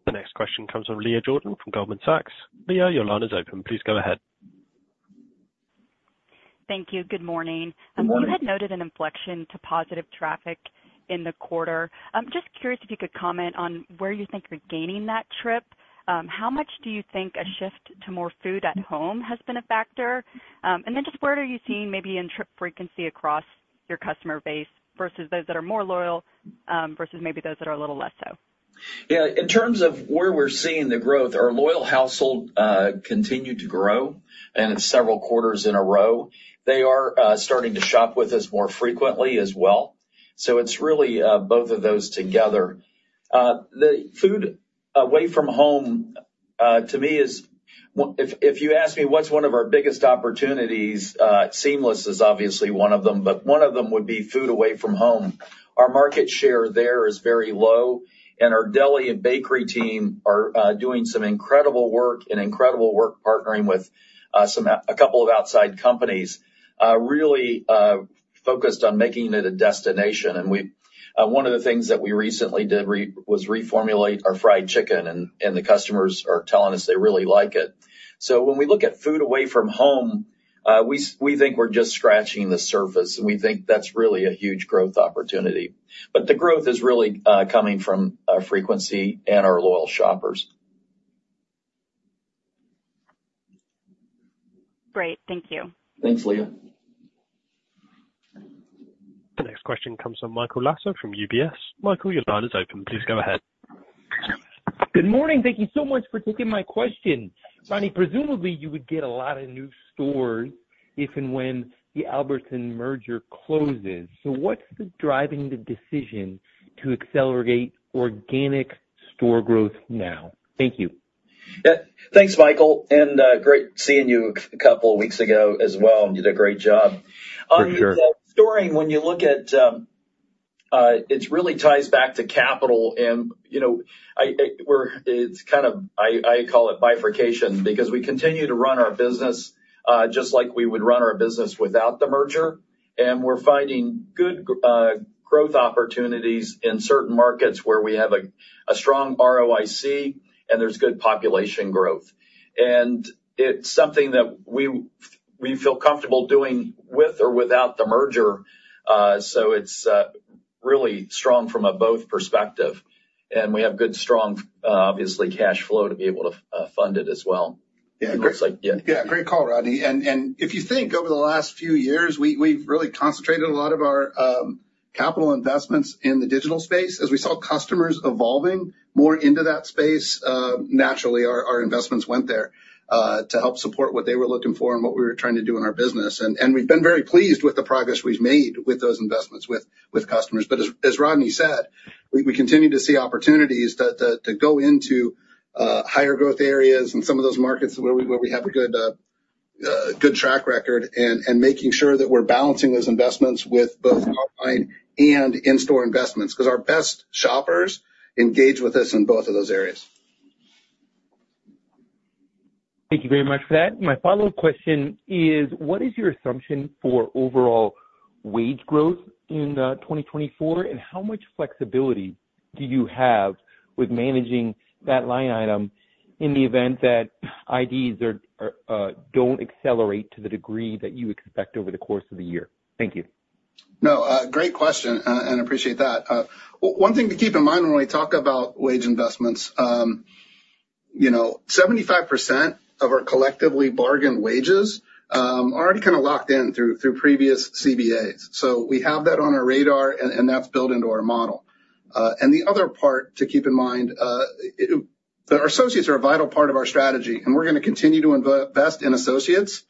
The next question comes from Leah Jordan from Goldman Sachs. Leah, your line is open. Please go ahead.
Thank you. Good morning.
Good morning.
You had noted an inflection to positive traffic in the quarter. I'm just curious if you could comment on where you think you're gaining that trip? How much do you think a shift to more food at home has been a factor? And then just where are you seeing maybe in trip frequency across your customer base versus those that are more loyal, versus maybe those that are a little less so?
Yeah, in terms of where we're seeing the growth, our loyal household continue to grow, and it's several quarters in a row. They are starting to shop with us more frequently as well, so it's really both of those together. The food away from home, to me, is well, if you ask me, what's one of our biggest opportunities, seamless is obviously one of them, but one of them would be food away from home. Our market share there is very low, and our deli and bakery team are doing some incredible work and incredible work partnering with a couple of outside companies, really focused on making it a destination. And one of the things that we recently did was reformulate our fried chicken, and the customers are telling us they really like it. So when we look at food away from home, we think we're just scratching the surface, and we think that's really a huge growth opportunity. But the growth is really coming from our frequency and our loyal shoppers.
Great. Thank you.
Thanks, Leah.
The next question comes from Michael Lasser from UBS. Michael, your line is open. Please go ahead.
Good morning. Thank you so much for taking my question. Rodney, presumably, you would get a lot of new stores if and when the Albertsons merger closes. So what's driving the decision to accelerate organic store growth now? Thank you.
Yeah, thanks, Michael, and great seeing you a couple of weeks ago as well. You did a great job.
For sure.
On the storing, when you look at, it really ties back to capital, and, you know, I call it bifurcation. Because we continue to run our business, just like we would run our business without the merger, and we're finding good growth opportunities in certain markets where we have a strong ROIC, and there's good population growth. And it's something that we feel comfortable doing with or without the merger. So it's really strong from a both perspective, and we have good, strong, obviously, cash flow to be able to fund it as well.
Yeah.
Looks like, yeah.
Yeah, great call, Rodney. And if you think over the last few years, we've really concentrated a lot of our capital investments in the digital space. As we saw customers evolving more into that space, naturally our investments went there to help support what they were looking for and what we were trying to do in our business. And we've been very pleased with the progress we've made with those investments with customers. But as Rodney said, we continue to see opportunities to go into higher growth areas and some of those markets where we have a good track record and making sure that we're balancing those investments with both online and in-store investments. Because our best shoppers engage with us in both of those areas.
Thank you very much for that. My follow-up question is, what is your assumption for overall wage growth in 2024? And how much flexibility do you have with managing that line item in the event that IDs don't accelerate to the degree that you expect over the course of the year? Thank you.
No, great question, and appreciate that. One thing to keep in mind when we talk about wage investments, you know, 75% of our collectively bargained wages are already kind of locked in through previous CBAs. So we have that on our radar, and that's built into our model. And the other part to keep in mind, our associates are a vital part of our strategy, and we're gonna continue to invest in associates,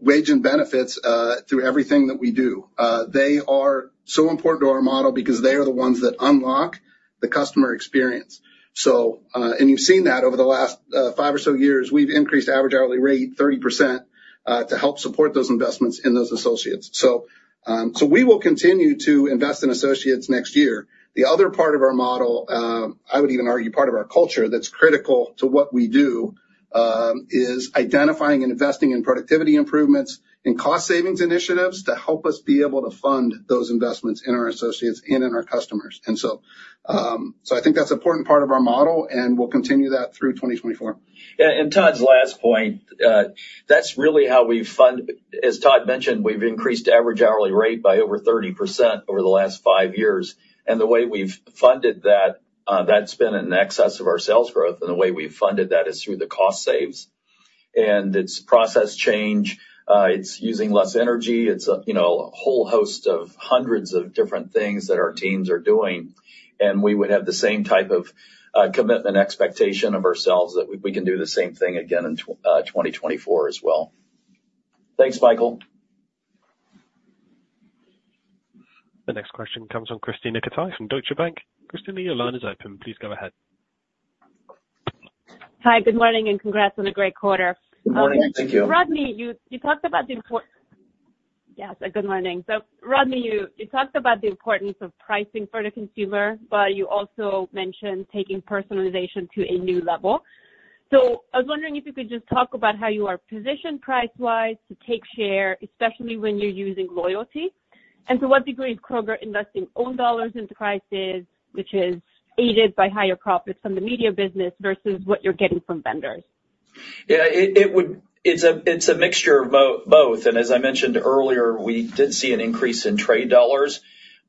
wage and benefits, through everything that we do. They are so important to our model because they are the ones that unlock the customer experience. So, and you've seen that over the last five or so years, we've increased average hourly rate 30%, to help support those investments in those associates. So, so we will continue to invest in associates next year. The other part of our model, I would even argue part of our culture, that's critical to what we do, is identifying and investing in productivity improvements and cost savings initiatives to help us be able to fund those investments in our associates and in our customers. And so, so I think that's an important part of our model, and we'll continue that through 2024.
Yeah, and Todd's last point, that's really how we fund. As Todd mentioned, we've increased average hourly rate by over 30% over the last 5 years, and the way we've funded that, that's been in excess of our sales growth, and the way we've funded that is through the cost saves. And it's process change, it's using less energy. It's a, you know, a whole host of hundreds of different things that our teams are doing, and we would have the same type of commitment expectation of ourselves that we can do the same thing again in 2024 as well. Thanks, Michael.
The next question comes from Krisztina Katai from Deutsche Bank. Krisztina, your line is open. Please go ahead.
Hi, good morning, and congrats on a great quarter.
Good morning. Thank you.
Yes, good morning. So, Rodney, you talked about the importance of pricing for the consumer, but you also mentioned taking personalization to a new level. So I was wondering if you could just talk about how you are positioned price-wise to take share, especially when you're using loyalty? And to what degree is Kroger investing own dollars into prices, which is aided by higher profits from the media business, versus what you're getting from vendors?
Yeah, it would. It's a mixture of both. As I mentioned earlier, we did see an increase in trade dollars,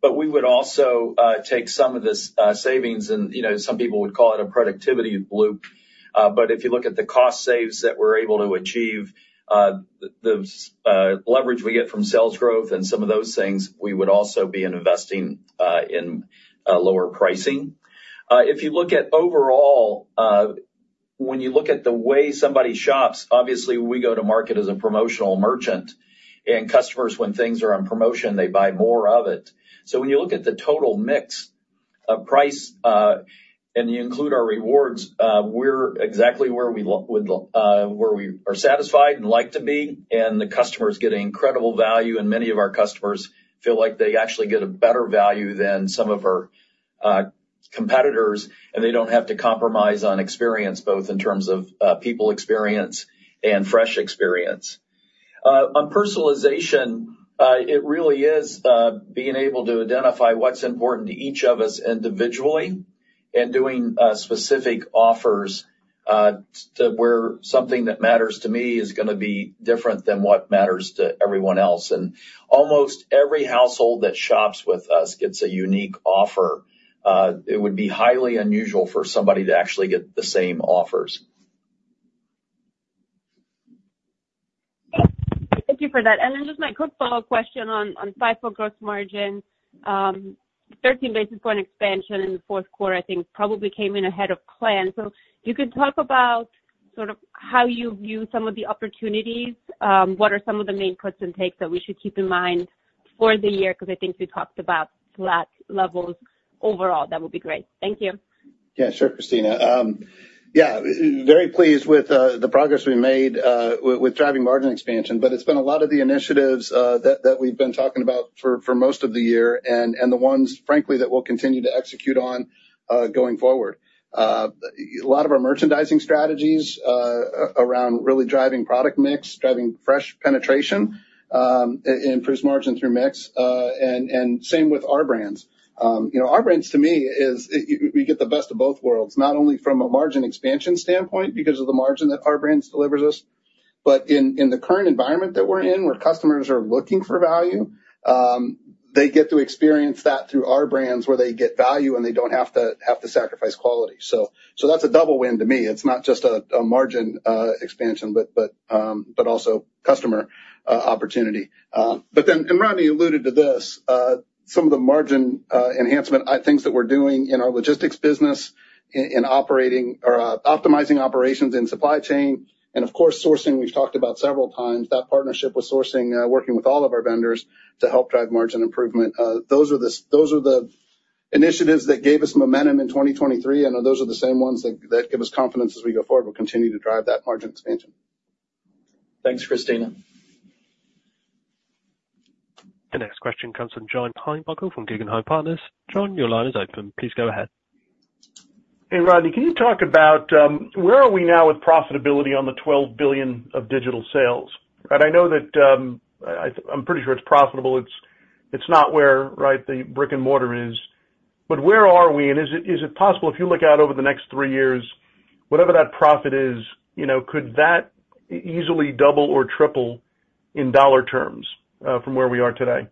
but we would also take some of this savings, and, you know, some people would call it a productivity loop. But if you look at the cost savings that we're able to achieve, the leverage we get from sales growth and some of those things, we would also be investing in lower pricing. If you look at overall, when you look at the way somebody shops, obviously, we go to market as a promotional merchant, and customers, when things are on promotion, they buy more of it. So when you look at the total mix of price, and you include our rewards, we're exactly where we would like to be, where we are satisfied and like to be, and the customers get incredible value, and many of our customers feel like they actually get a better value than some of our competitors, and they don't have to compromise on experience, both in terms of people experience and fresh experience. On personalization, it really is being able to identify what's important to each of us individually and doing specific offers to where something that matters to me is gonna be different than what matters to everyone else. And almost every household that shops with us gets a unique offer. It would be highly unusual for somebody to actually get the same offers.
Thank you for that. And then just my quick follow-up question on FIFO gross margin, 13 basis points expansion in the Q4, I think probably came in ahead of plan. So if you could talk about sort of how you view some of the opportunities, what are some of the main puts and takes that we should keep in mind for the year? Because I think we talked about flat levels overall. That would be great. Thank you.
Yeah, sure, Krisztina. Yeah, very pleased with the progress we made with driving margin expansion, but it's been a lot of the initiatives that we've been talking about for most of the year, and the ones, frankly, that we'll continue to execute on going forward. A lot of our merchandising strategies around really driving product mix, driving fresh penetration, improve margin through mix, and same with Our Brands. You know, Our Brands, to me, is we get the best of both worlds, not only from a margin expansion standpoint because of the margin that Our Brands delivers us, but in the current environment that we're in, where customers are looking for value, they get to experience that through Our Brands, where they get value, and they don't have to sacrifice quality. So that's a double win to me. It's not just a margin expansion, but also customer opportunity. But then, and Rodney alluded to this, some of the margin enhancement things that we're doing in our logistics business, in operating or optimizing operations in supply chain, and of course, sourcing, we've talked about several times, that partnership with sourcing, working with all of our vendors to help drive margin improvement. Those are the initiatives that gave us momentum in 2023, and those are the same ones that give us confidence as we go forward. We'll continue to drive that margin expansion.
Thanks, Christina.
The next question comes from John Heinbockel from Guggenheim Partners. John, your line is open. Please go ahead.
Hey, Rodney, can you talk about where are we now with profitability on the $12 billion of digital sales? And I know that, I'm pretty sure it's profitable. It's not where, right, the brick-and-mortar is, but where are we? And is it possible, if you look out over the next three years, whatever that profit is, you know, could that easily double or triple in dollar terms from where we are today?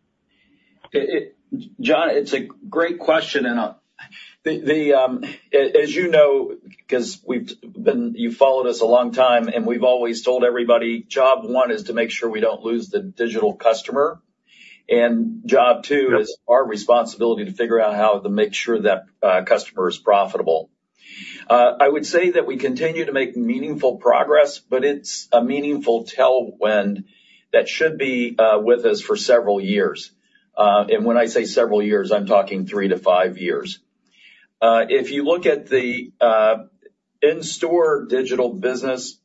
John, it's a great question, and I'll as you know, because you've followed us a long time, and we've always told everybody, job one is to make sure we don't lose the digital customer. And job two-
Yep.
is our responsibility to figure out how to make sure that customer is profitable. I would say that we continue to make meaningful progress, but it's a meaningful tailwind that should be with us for several years. And when I say several years, I'm talking 3-5 years. If you look at the in-store digital business,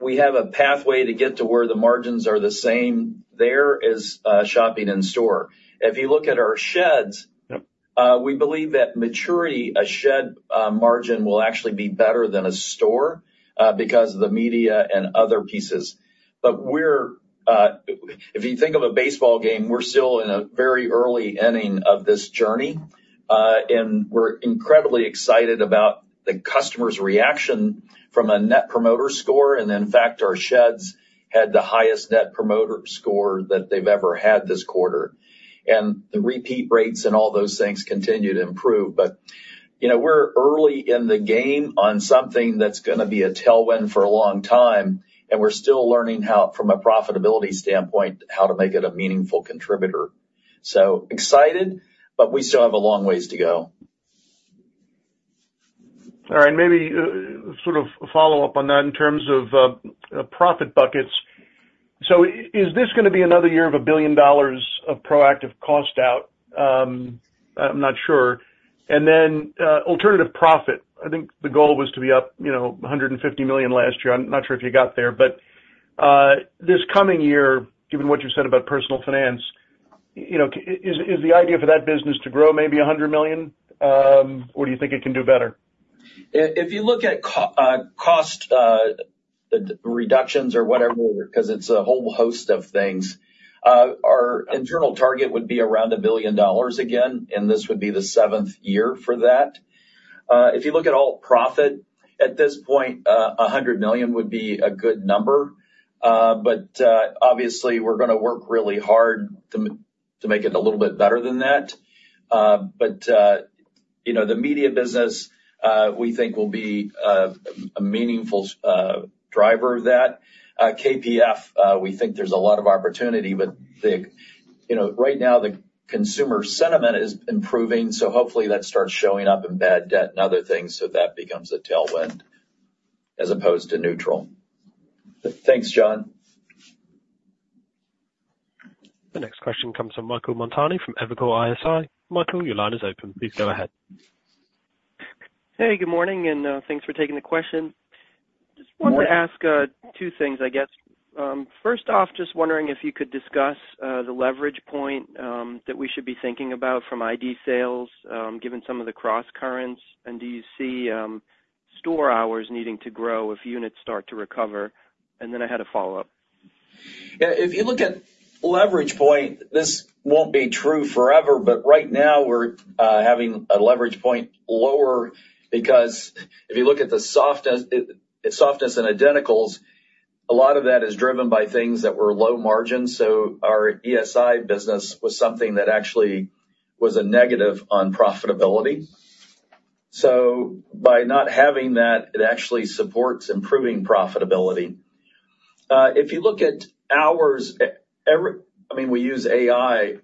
we have a pathway to get to where the margins are the same there as shopping in store. If you look at our sheds-
Yep.
We believe that maturity, a shed, margin will actually be better than a store, because of the media and other pieces. But we're, if you think of a baseball game, we're still in a very early inning of this journey, and we're incredibly excited about the customer's reaction from a Net Promoter Score. And in fact, our sheds had the highest Net Promoter Score that they've ever had this quarter. And the repeat rates and all those things continue to improve, but, you know, we're early in the game on something that's gonna be a tailwind for a long time, and we're still learning how, from a profitability standpoint, how to make it a meaningful contributor. So excited, but we still have a long ways to go.
All right, maybe sort of a follow-up on that in terms of profit buckets. So is this gonna be another year of $1 billion of proactive cost out? I'm not sure. And then, alternative profit, I think the goal was to be up, you know, $150 million last year. I'm not sure if you got there, but this coming year, given what you said about personal finance, you know, is the idea for that business to grow maybe $100 million? Or do you think it can do better?
If you look at cost reductions or whatever, 'cause it's a whole host of things, our internal target would be around $1 billion again, and this would be the 7th year for that. If you look at all profit, at this point, $100 million would be a good number. But obviously we're gonna work really hard to make it a little bit better than that. But you know, the media business, we think will be a meaningful driver of that. KPF, we think there's a lot of opportunity, but the... You know, right now, the consumer sentiment is improving, so hopefully that starts showing up in bad debt and other things, so that becomes a tailwind as opposed to neutral. But thanks, John.
The next question comes from Michael Montani from Evercore ISI. Michael, your line is open. Please go ahead.
Hey, good morning, and thanks for taking the question. Just wanted to ask, two things, I guess. First off, just wondering if you could discuss, the leverage point, that we should be thinking about from ID sales, given some of the crosscurrents, and do you see, store hours needing to grow if units start to recover? And then I had a follow-up.
Yeah, if you look at leverage point, this won't be true forever, but right now we're having a leverage point lower because if you look at the softest, the softness in identicals, a lot of that is driven by things that were low margin. So our ESI business was something that actually was a negative on profitability. So by not having that, it actually supports improving profitability. If you look at hours, every—I mean, we use AI,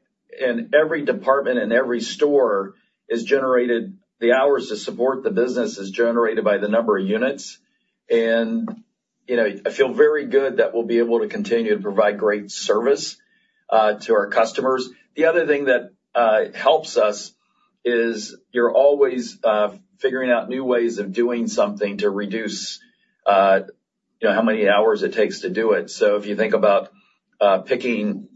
and every department and every store is generated, the hours to support the business is generated by the number of units. And, you know, I feel very good that we'll be able to continue to provide great service to our customers. The other thing that helps us is you're always figuring out new ways of doing something to reduce, you know, how many hours it takes to do it. So if you think about picking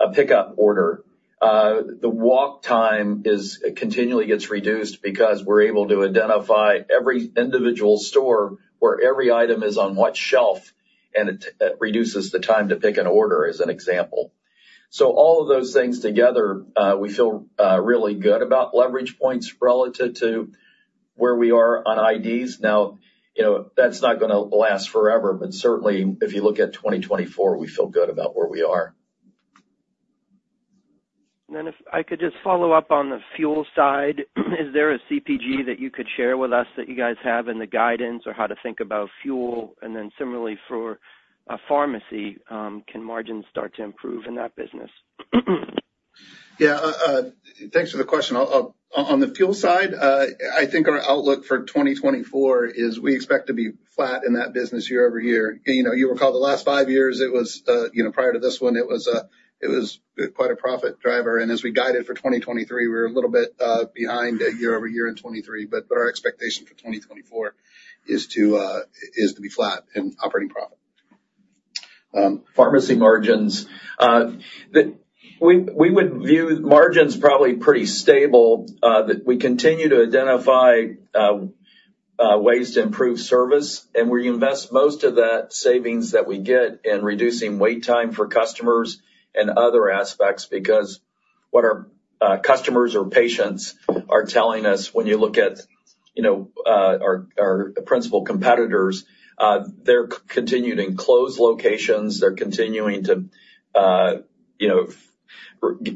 a pickup order, the walk time is. It continually gets reduced because we're able to identify every individual store where every item is on what shelf, and it reduces the time to pick an order, as an example. So all of those things together, we feel really good about leverage points relative to where we are on IDs. Now, you know, that's not gonna last forever, but certainly if you look at 2024, we feel good about where we are.
And then if I could just follow up on the fuel side, is there a CPG that you could share with us that you guys have in the guidance on how to think about fuel? And then similarly, for pharmacy, can margins start to improve in that business?
Yeah, thanks for the question. I'll on the fuel side, I think our outlook for 2024 is we expect to be flat in that business year-over-year. And, you know, you recall the last 5 years, it was, you know, prior to this one, it was quite a profit driver. And as we guided for 2023, we were a little bit behind year-over-year in 2023. But our expectation for 2024 is to be flat in operating profit.
Pharmacy margins, we would view margins probably pretty stable, that we continue to identify ways to improve service, and we invest most of that savings that we get in reducing wait time for customers and other aspects. Because what our customers or patients are telling us, when you look at, you know, our principal competitors, they're continuing to close locations. They're continuing to, you know,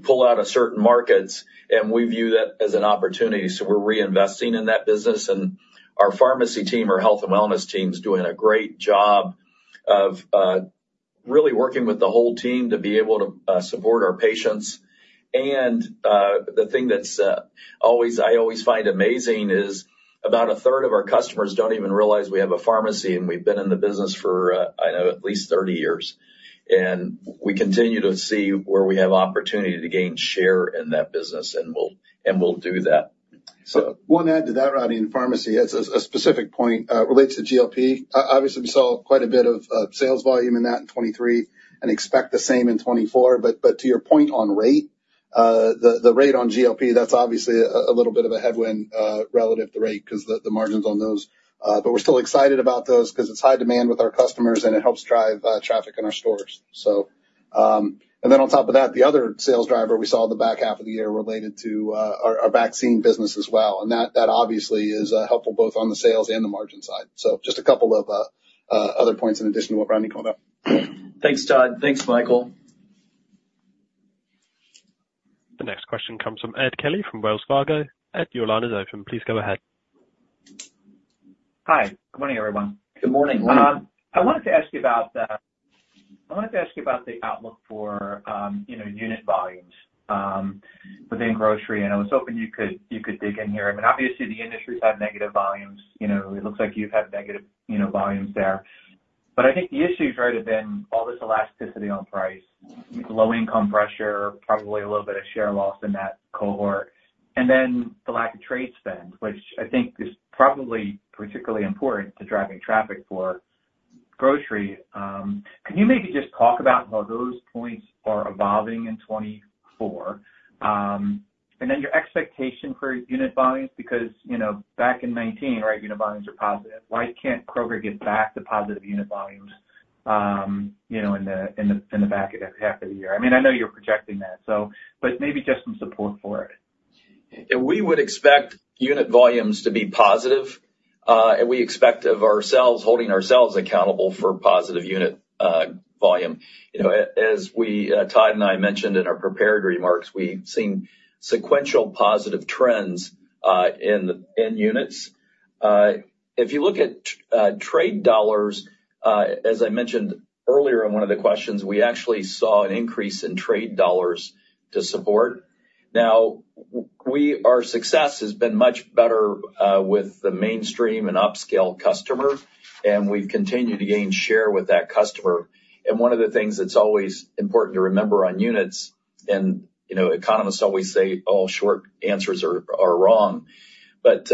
pull out of certain markets, and we view that as an opportunity. So we're reinvesting in that business, and our pharmacy team, our health and wellness team, is doing a great job of really working with the whole team to be able to support our patients. The thing that's always—I always find amazing is about a third of our customers don't even realize we have a pharmacy, and we've been in the business for, I know, at least 30 years. We continue to see where we have opportunity to gain share in that business, and we'll do that.
So one add to that, Rodney, in pharmacy, as a specific point, relates to GLP. Obviously, we saw quite a bit of sales volume in that in 2023 and expect the same in 2024. But to your point on rate, the rate on GLP, that's obviously a little bit of a headwind, relative to rate, 'cause the margins on those... But we're still excited about those, 'cause it's high demand with our customers, and it helps drive traffic in our stores. So, and then on top of that, the other sales driver we saw in the back half of the year related to our vaccine business as well, and that obviously is helpful both on the sales and the margin side. Just a couple of other points in addition to what Rodney called out.
Thanks, Todd. Thanks, Michael.
The next question comes from Ed Kelly from Wells Fargo. Ed, your line is open. Please go ahead.
Hi. Good morning, everyone.
Good morning.
I wanted to ask you about the outlook for, you know, unit volumes within grocery, and I was hoping you could dig in here. I mean, obviously, the industry's had negative volumes. You know, it looks like you've had negative, you know, volumes there. But I think the issues, right, have been all this elasticity on price, low income pressure, probably a little bit of share loss in that cohort, and then the lack of trade spend, which I think is probably particularly important to driving traffic for grocery. Can you maybe just talk about how those points are evolving in 2024? And then your expectation for unit volumes, because, you know, back in 2019, right, unit volumes were positive. Why can't Kroger get back to positive unit volumes, you know, in the back half of the year? I mean, I know you're projecting that, so but maybe just some support for it.
Yeah, we would expect unit volumes to be positive, and we expect of ourselves, holding ourselves accountable for positive unit volume. You know, as we, Todd and I mentioned in our prepared remarks, we've seen sequential positive trends in units. If you look at trade dollars, as I mentioned earlier in one of the questions, we actually saw an increase in trade dollars to support. Now, our success has been much better with the mainstream and upscale customer, and we've continued to gain share with that customer. And one of the things that's always important to remember on units, and, you know, economists always say all short answers are wrong. But,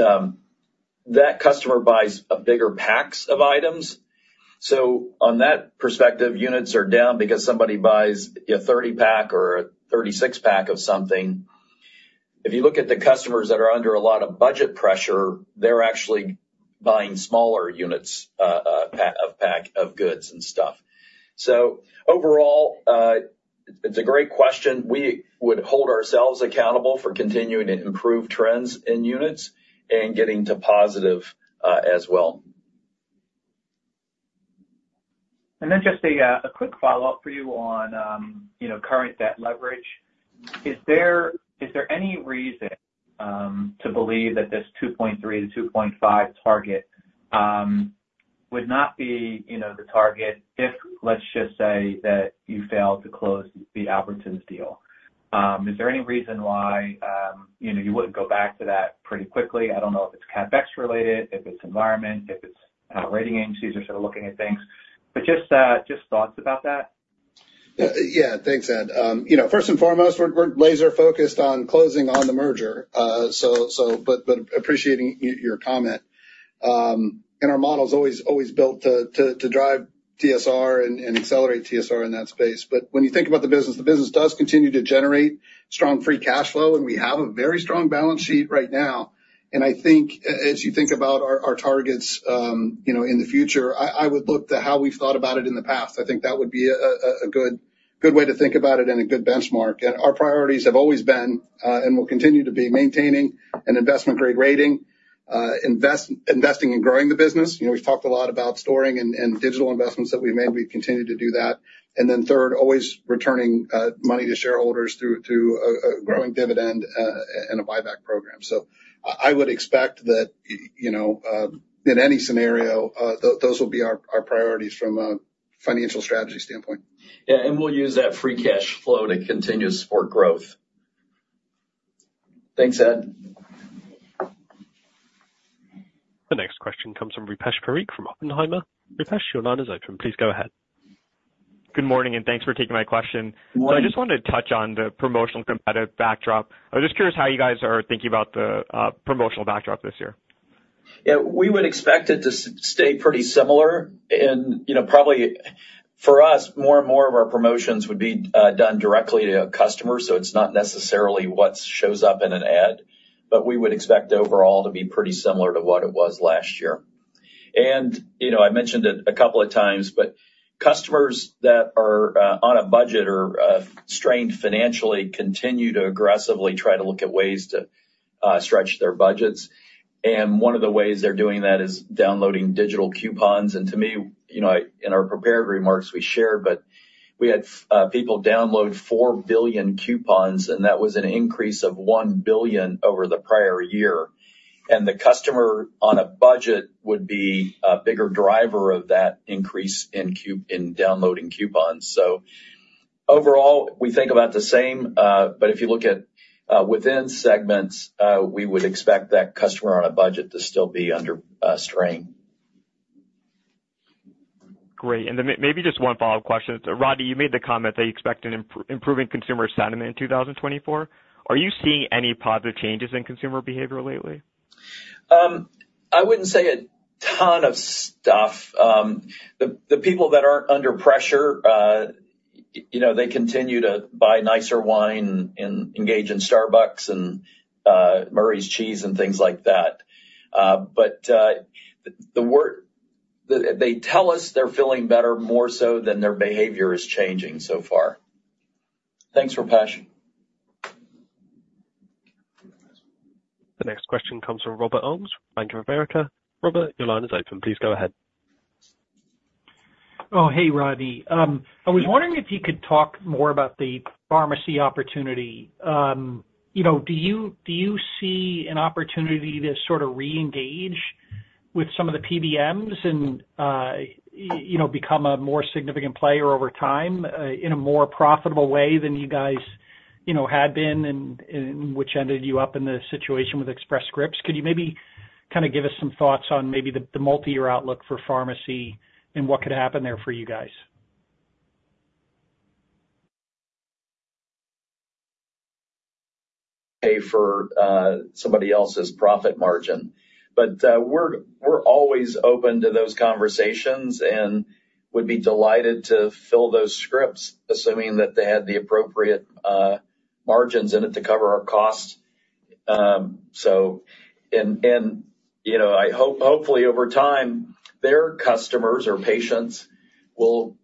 that customer buys bigger packs of items. So on that perspective, units are down because somebody buys a 30-pack or a 36-pack of something. If you look at the customers that are under a lot of budget pressure, they're actually buying smaller units of pack of goods and stuff. So overall, it's a great question. We would hold ourselves accountable for continuing to improve trends in units and getting to positive as well.
And then just a quick follow-up for you on, you know, current debt leverage. Is there any reason to believe that this 2.3-2.5 target would not be, you know, the target if, let's just say, that you failed to close the Albertsons deal? Is there any reason why, you know, you wouldn't go back to that pretty quickly? I don't know if it's CapEx related, if it's environment, if it's rating agencies are sort of looking at things, but just thoughts about that.
Yeah. Thanks, Ed. You know, first and foremost, we're laser focused on closing on the merger. So, but appreciating your comment. And our model's always built to drive TSR and accelerate TSR in that space. But when you think about the business, the business does continue to generate strong free cash flow, and we have a very strong balance sheet right now. And I think as you think about our targets, you know, in the future, I would look to how we've thought about it in the past. I think that would be a good way to think about it and a good benchmark. And our priorities have always been and will continue to be maintaining an investment-grade rating, investing in growing the business. You know, we've talked a lot about storing and digital investments that we've made. We've continued to do that. And then third, always returning money to shareholders through to a growing dividend and a buyback program. So I would expect that, you know, in any scenario, those will be our priorities from a financial strategy standpoint.
Yeah, and we'll use that free cash flow to continue to support growth.
Thanks, Ed.
The next question comes from Rupesh Parikh from Oppenheimer. Rupesh, your line is open. Please go ahead.
Good morning, and thanks for taking my question.
Good morning.
I just wanted to touch on the promotional competitive backdrop. I was just curious how you guys are thinking about the promotional backdrop this year?
Yeah, we would expect it to stay pretty similar. And, you know, probably for us, more and more of our promotions would be done directly to customers, so it's not necessarily what shows up in an ad. But we would expect overall to be pretty similar to what it was last year. And, you know, I mentioned it a couple of times, but customers that are on a budget or strained financially continue to aggressively try to look at ways to stretch their budgets. And one of the ways they're doing that is downloading digital coupons. And to me, you know, in our prepared remarks, we shared, but we had people download 4 billion coupons, and that was an increase of 1 billion over the prior year. The customer on a budget would be a bigger driver of that increase in downloading coupons. So overall, we think about the same, but if you look at within segments, we would expect that customer on a budget to still be under strain.
Great. And then maybe just one follow-up question. Rodney, you made the comment that you expect an improving consumer sentiment in 2024. Are you seeing any positive changes in consumer behavior lately?
I wouldn't say a ton of stuff. The people that aren't under pressure, you know, they continue to buy nicer wine and engage in Starbucks, and Murray's Cheese, and things like that. But they tell us they're feeling better, more so than their behavior is changing so far. Thanks, Rupesh.
The next question comes from Robbie Ohmes, Bank of America. Robbie, your line is open. Please go ahead.
Oh, hey, Rodney. I was wondering-
Yeah.
If you could talk more about the pharmacy opportunity. You know, do you, do you see an opportunity to sort of reengage with some of the PBMs and, you know, become a more significant player over time, in a more profitable way than you guys do?... you know, had been, and, and which ended you up in the situation with Express Scripts. Could you maybe kind of give us some thoughts on maybe the, the multiyear outlook for pharmacy and what could happen there for you guys?
Pay for somebody else's profit margin. But we're always open to those conversations, and would be delighted to fill those scripts, assuming that they had the appropriate margins in it to cover our costs. And you know, hopefully over time, their customers or patients will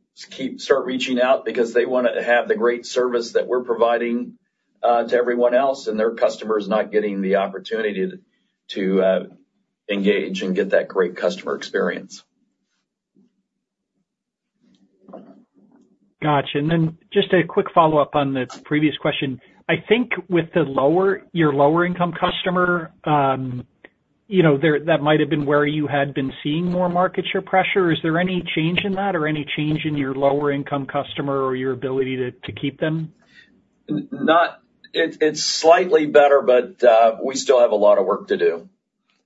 start reaching out, because they wanna have the great service that we're providing to everyone else, and their customers not getting the opportunity to engage and get that great customer experience.
Gotcha. And then just a quick follow-up on the previous question. I think with the lower, your lower income customer, you know, there, that might have been where you had been seeing more market share pressure. Is there any change in that, or any change in your lower income customer, or your ability to keep them?
It's slightly better, but we still have a lot of work to do.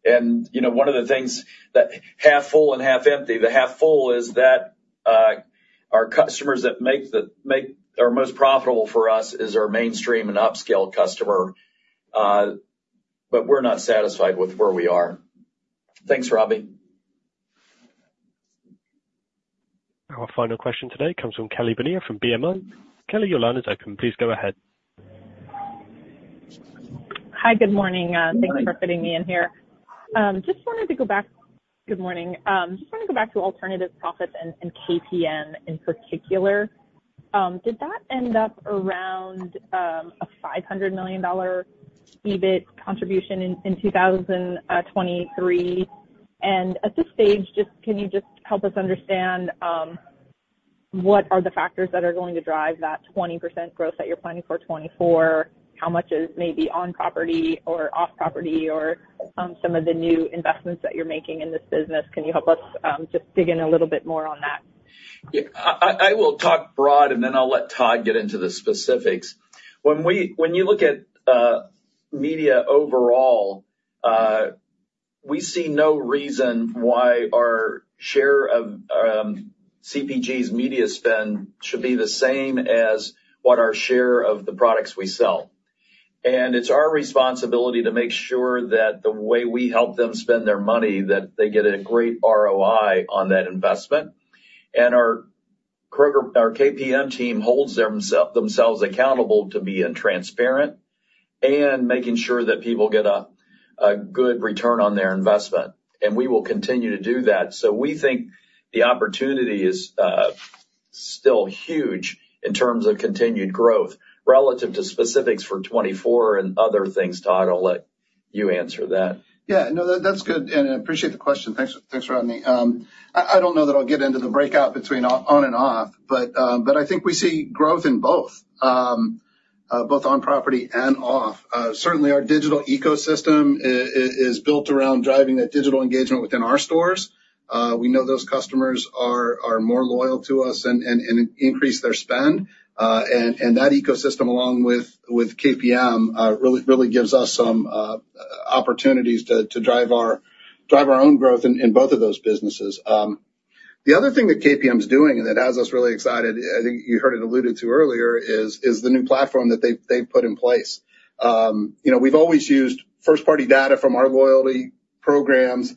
You know, one of the things that half full and half empty, the half full is that our customers that are most profitable for us is our mainstream and upscale customer. But we're not satisfied with where we are. Thanks, Robbie.
Our final question today comes from Kelly Bania from BMO. Kelly, your line is open. Please go ahead.
Hi, good morning.
Hi.
Thank you for fitting me in here. Good morning. Just wanted to go back to alternative profits and KPM in particular. Did that end up around a $500 million EBIT contribution in 2023? And at this stage, just, can you just help us understand what are the factors that are going to drive that 20% growth that you're planning for 2024? How much is maybe on property or off property, or some of the new investments that you're making in this business? Can you help us just dig in a little bit more on that?
Yeah. I will talk broadly, and then I'll let Todd get into the specifics. When you look at media overall, we see no reason why our share of CPG's media spend should be the same as what our share of the products we sell. And it's our responsibility to make sure that the way we help them spend their money, that they get a great ROI on that investment. And our Kroger, our KPM team holds themself, themselves accountable to being transparent, and making sure that people get a good return on their investment. And we will continue to do that. So we think the opportunity is still huge in terms of continued growth. Relative to specifics for 2024 and other things, Todd, I'll let you answer that.
Yeah, no, that's good, and I appreciate the question. Thanks, thanks, Rodney. I don't know that I'll get into the breakout between on and off, but I think we see growth in both, both on property and off. Certainly our digital ecosystem is built around driving that digital engagement within our stores. We know those customers are more loyal to us and increase their spend. And that ecosystem, along with KPM, really gives us some opportunities to drive our own growth in both of those businesses. The other thing that KPM's doing, and that has us really excited, I think you heard it alluded to earlier, is the new platform that they've put in place. You know, we've always used first-party data from our loyalty programs,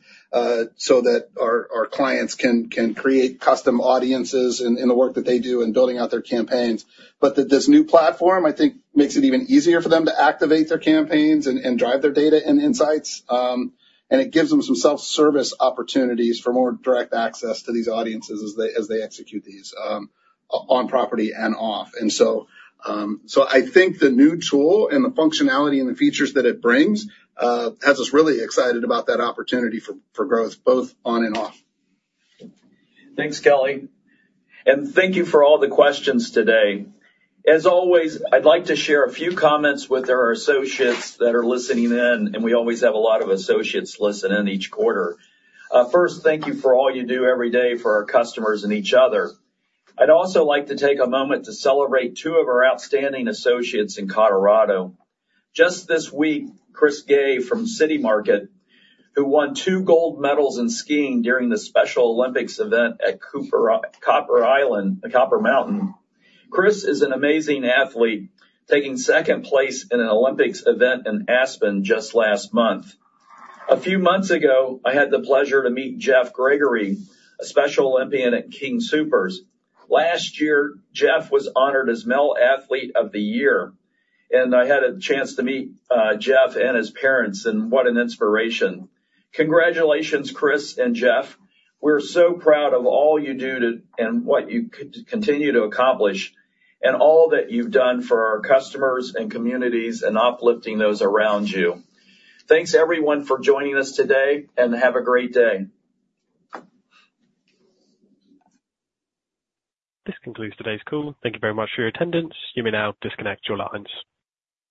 so that our clients can create custom audiences in the work that they do in building out their campaigns. But this new platform, I think, makes it even easier for them to activate their campaigns and drive their data and insights. And it gives them some self-service opportunities for more direct access to these audiences as they execute these on property and off. So I think the new tool and the functionality and the features that it brings has us really excited about that opportunity for growth, both on and off.
Thanks, Kelly. Thank you for all the questions today. As always, I'd like to share a few comments with our associates that are listening in, and we always have a lot of associates listen in each quarter. First, thank you for all you do every day for our customers and each other. I'd also like to take a moment to celebrate two of our outstanding associates in Colorado. Just this week, Chris Gay from City Market, who won two gold medals in skiing during the Special Olympics event at Copper Mountain. Chris is an amazing athlete, taking second place in an Olympics event in Aspen, just last month. A few months ago, I had the pleasure to meet Jeff Gregory, a Special Olympian at King Soopers. Last year, Jeff was honored as Male Athlete of the Year, and I had a chance to meet, Jeff and his parents, and what an inspiration. Congratulations, Chris and Jeff. We're so proud of all you do to, and what you continue to accomplish, and all that you've done for our customers and communities, and uplifting those around you. Thanks, everyone, for joining us today, and have a great day.
This concludes today's call. Thank you very much for your attendance. You may now disconnect your lines.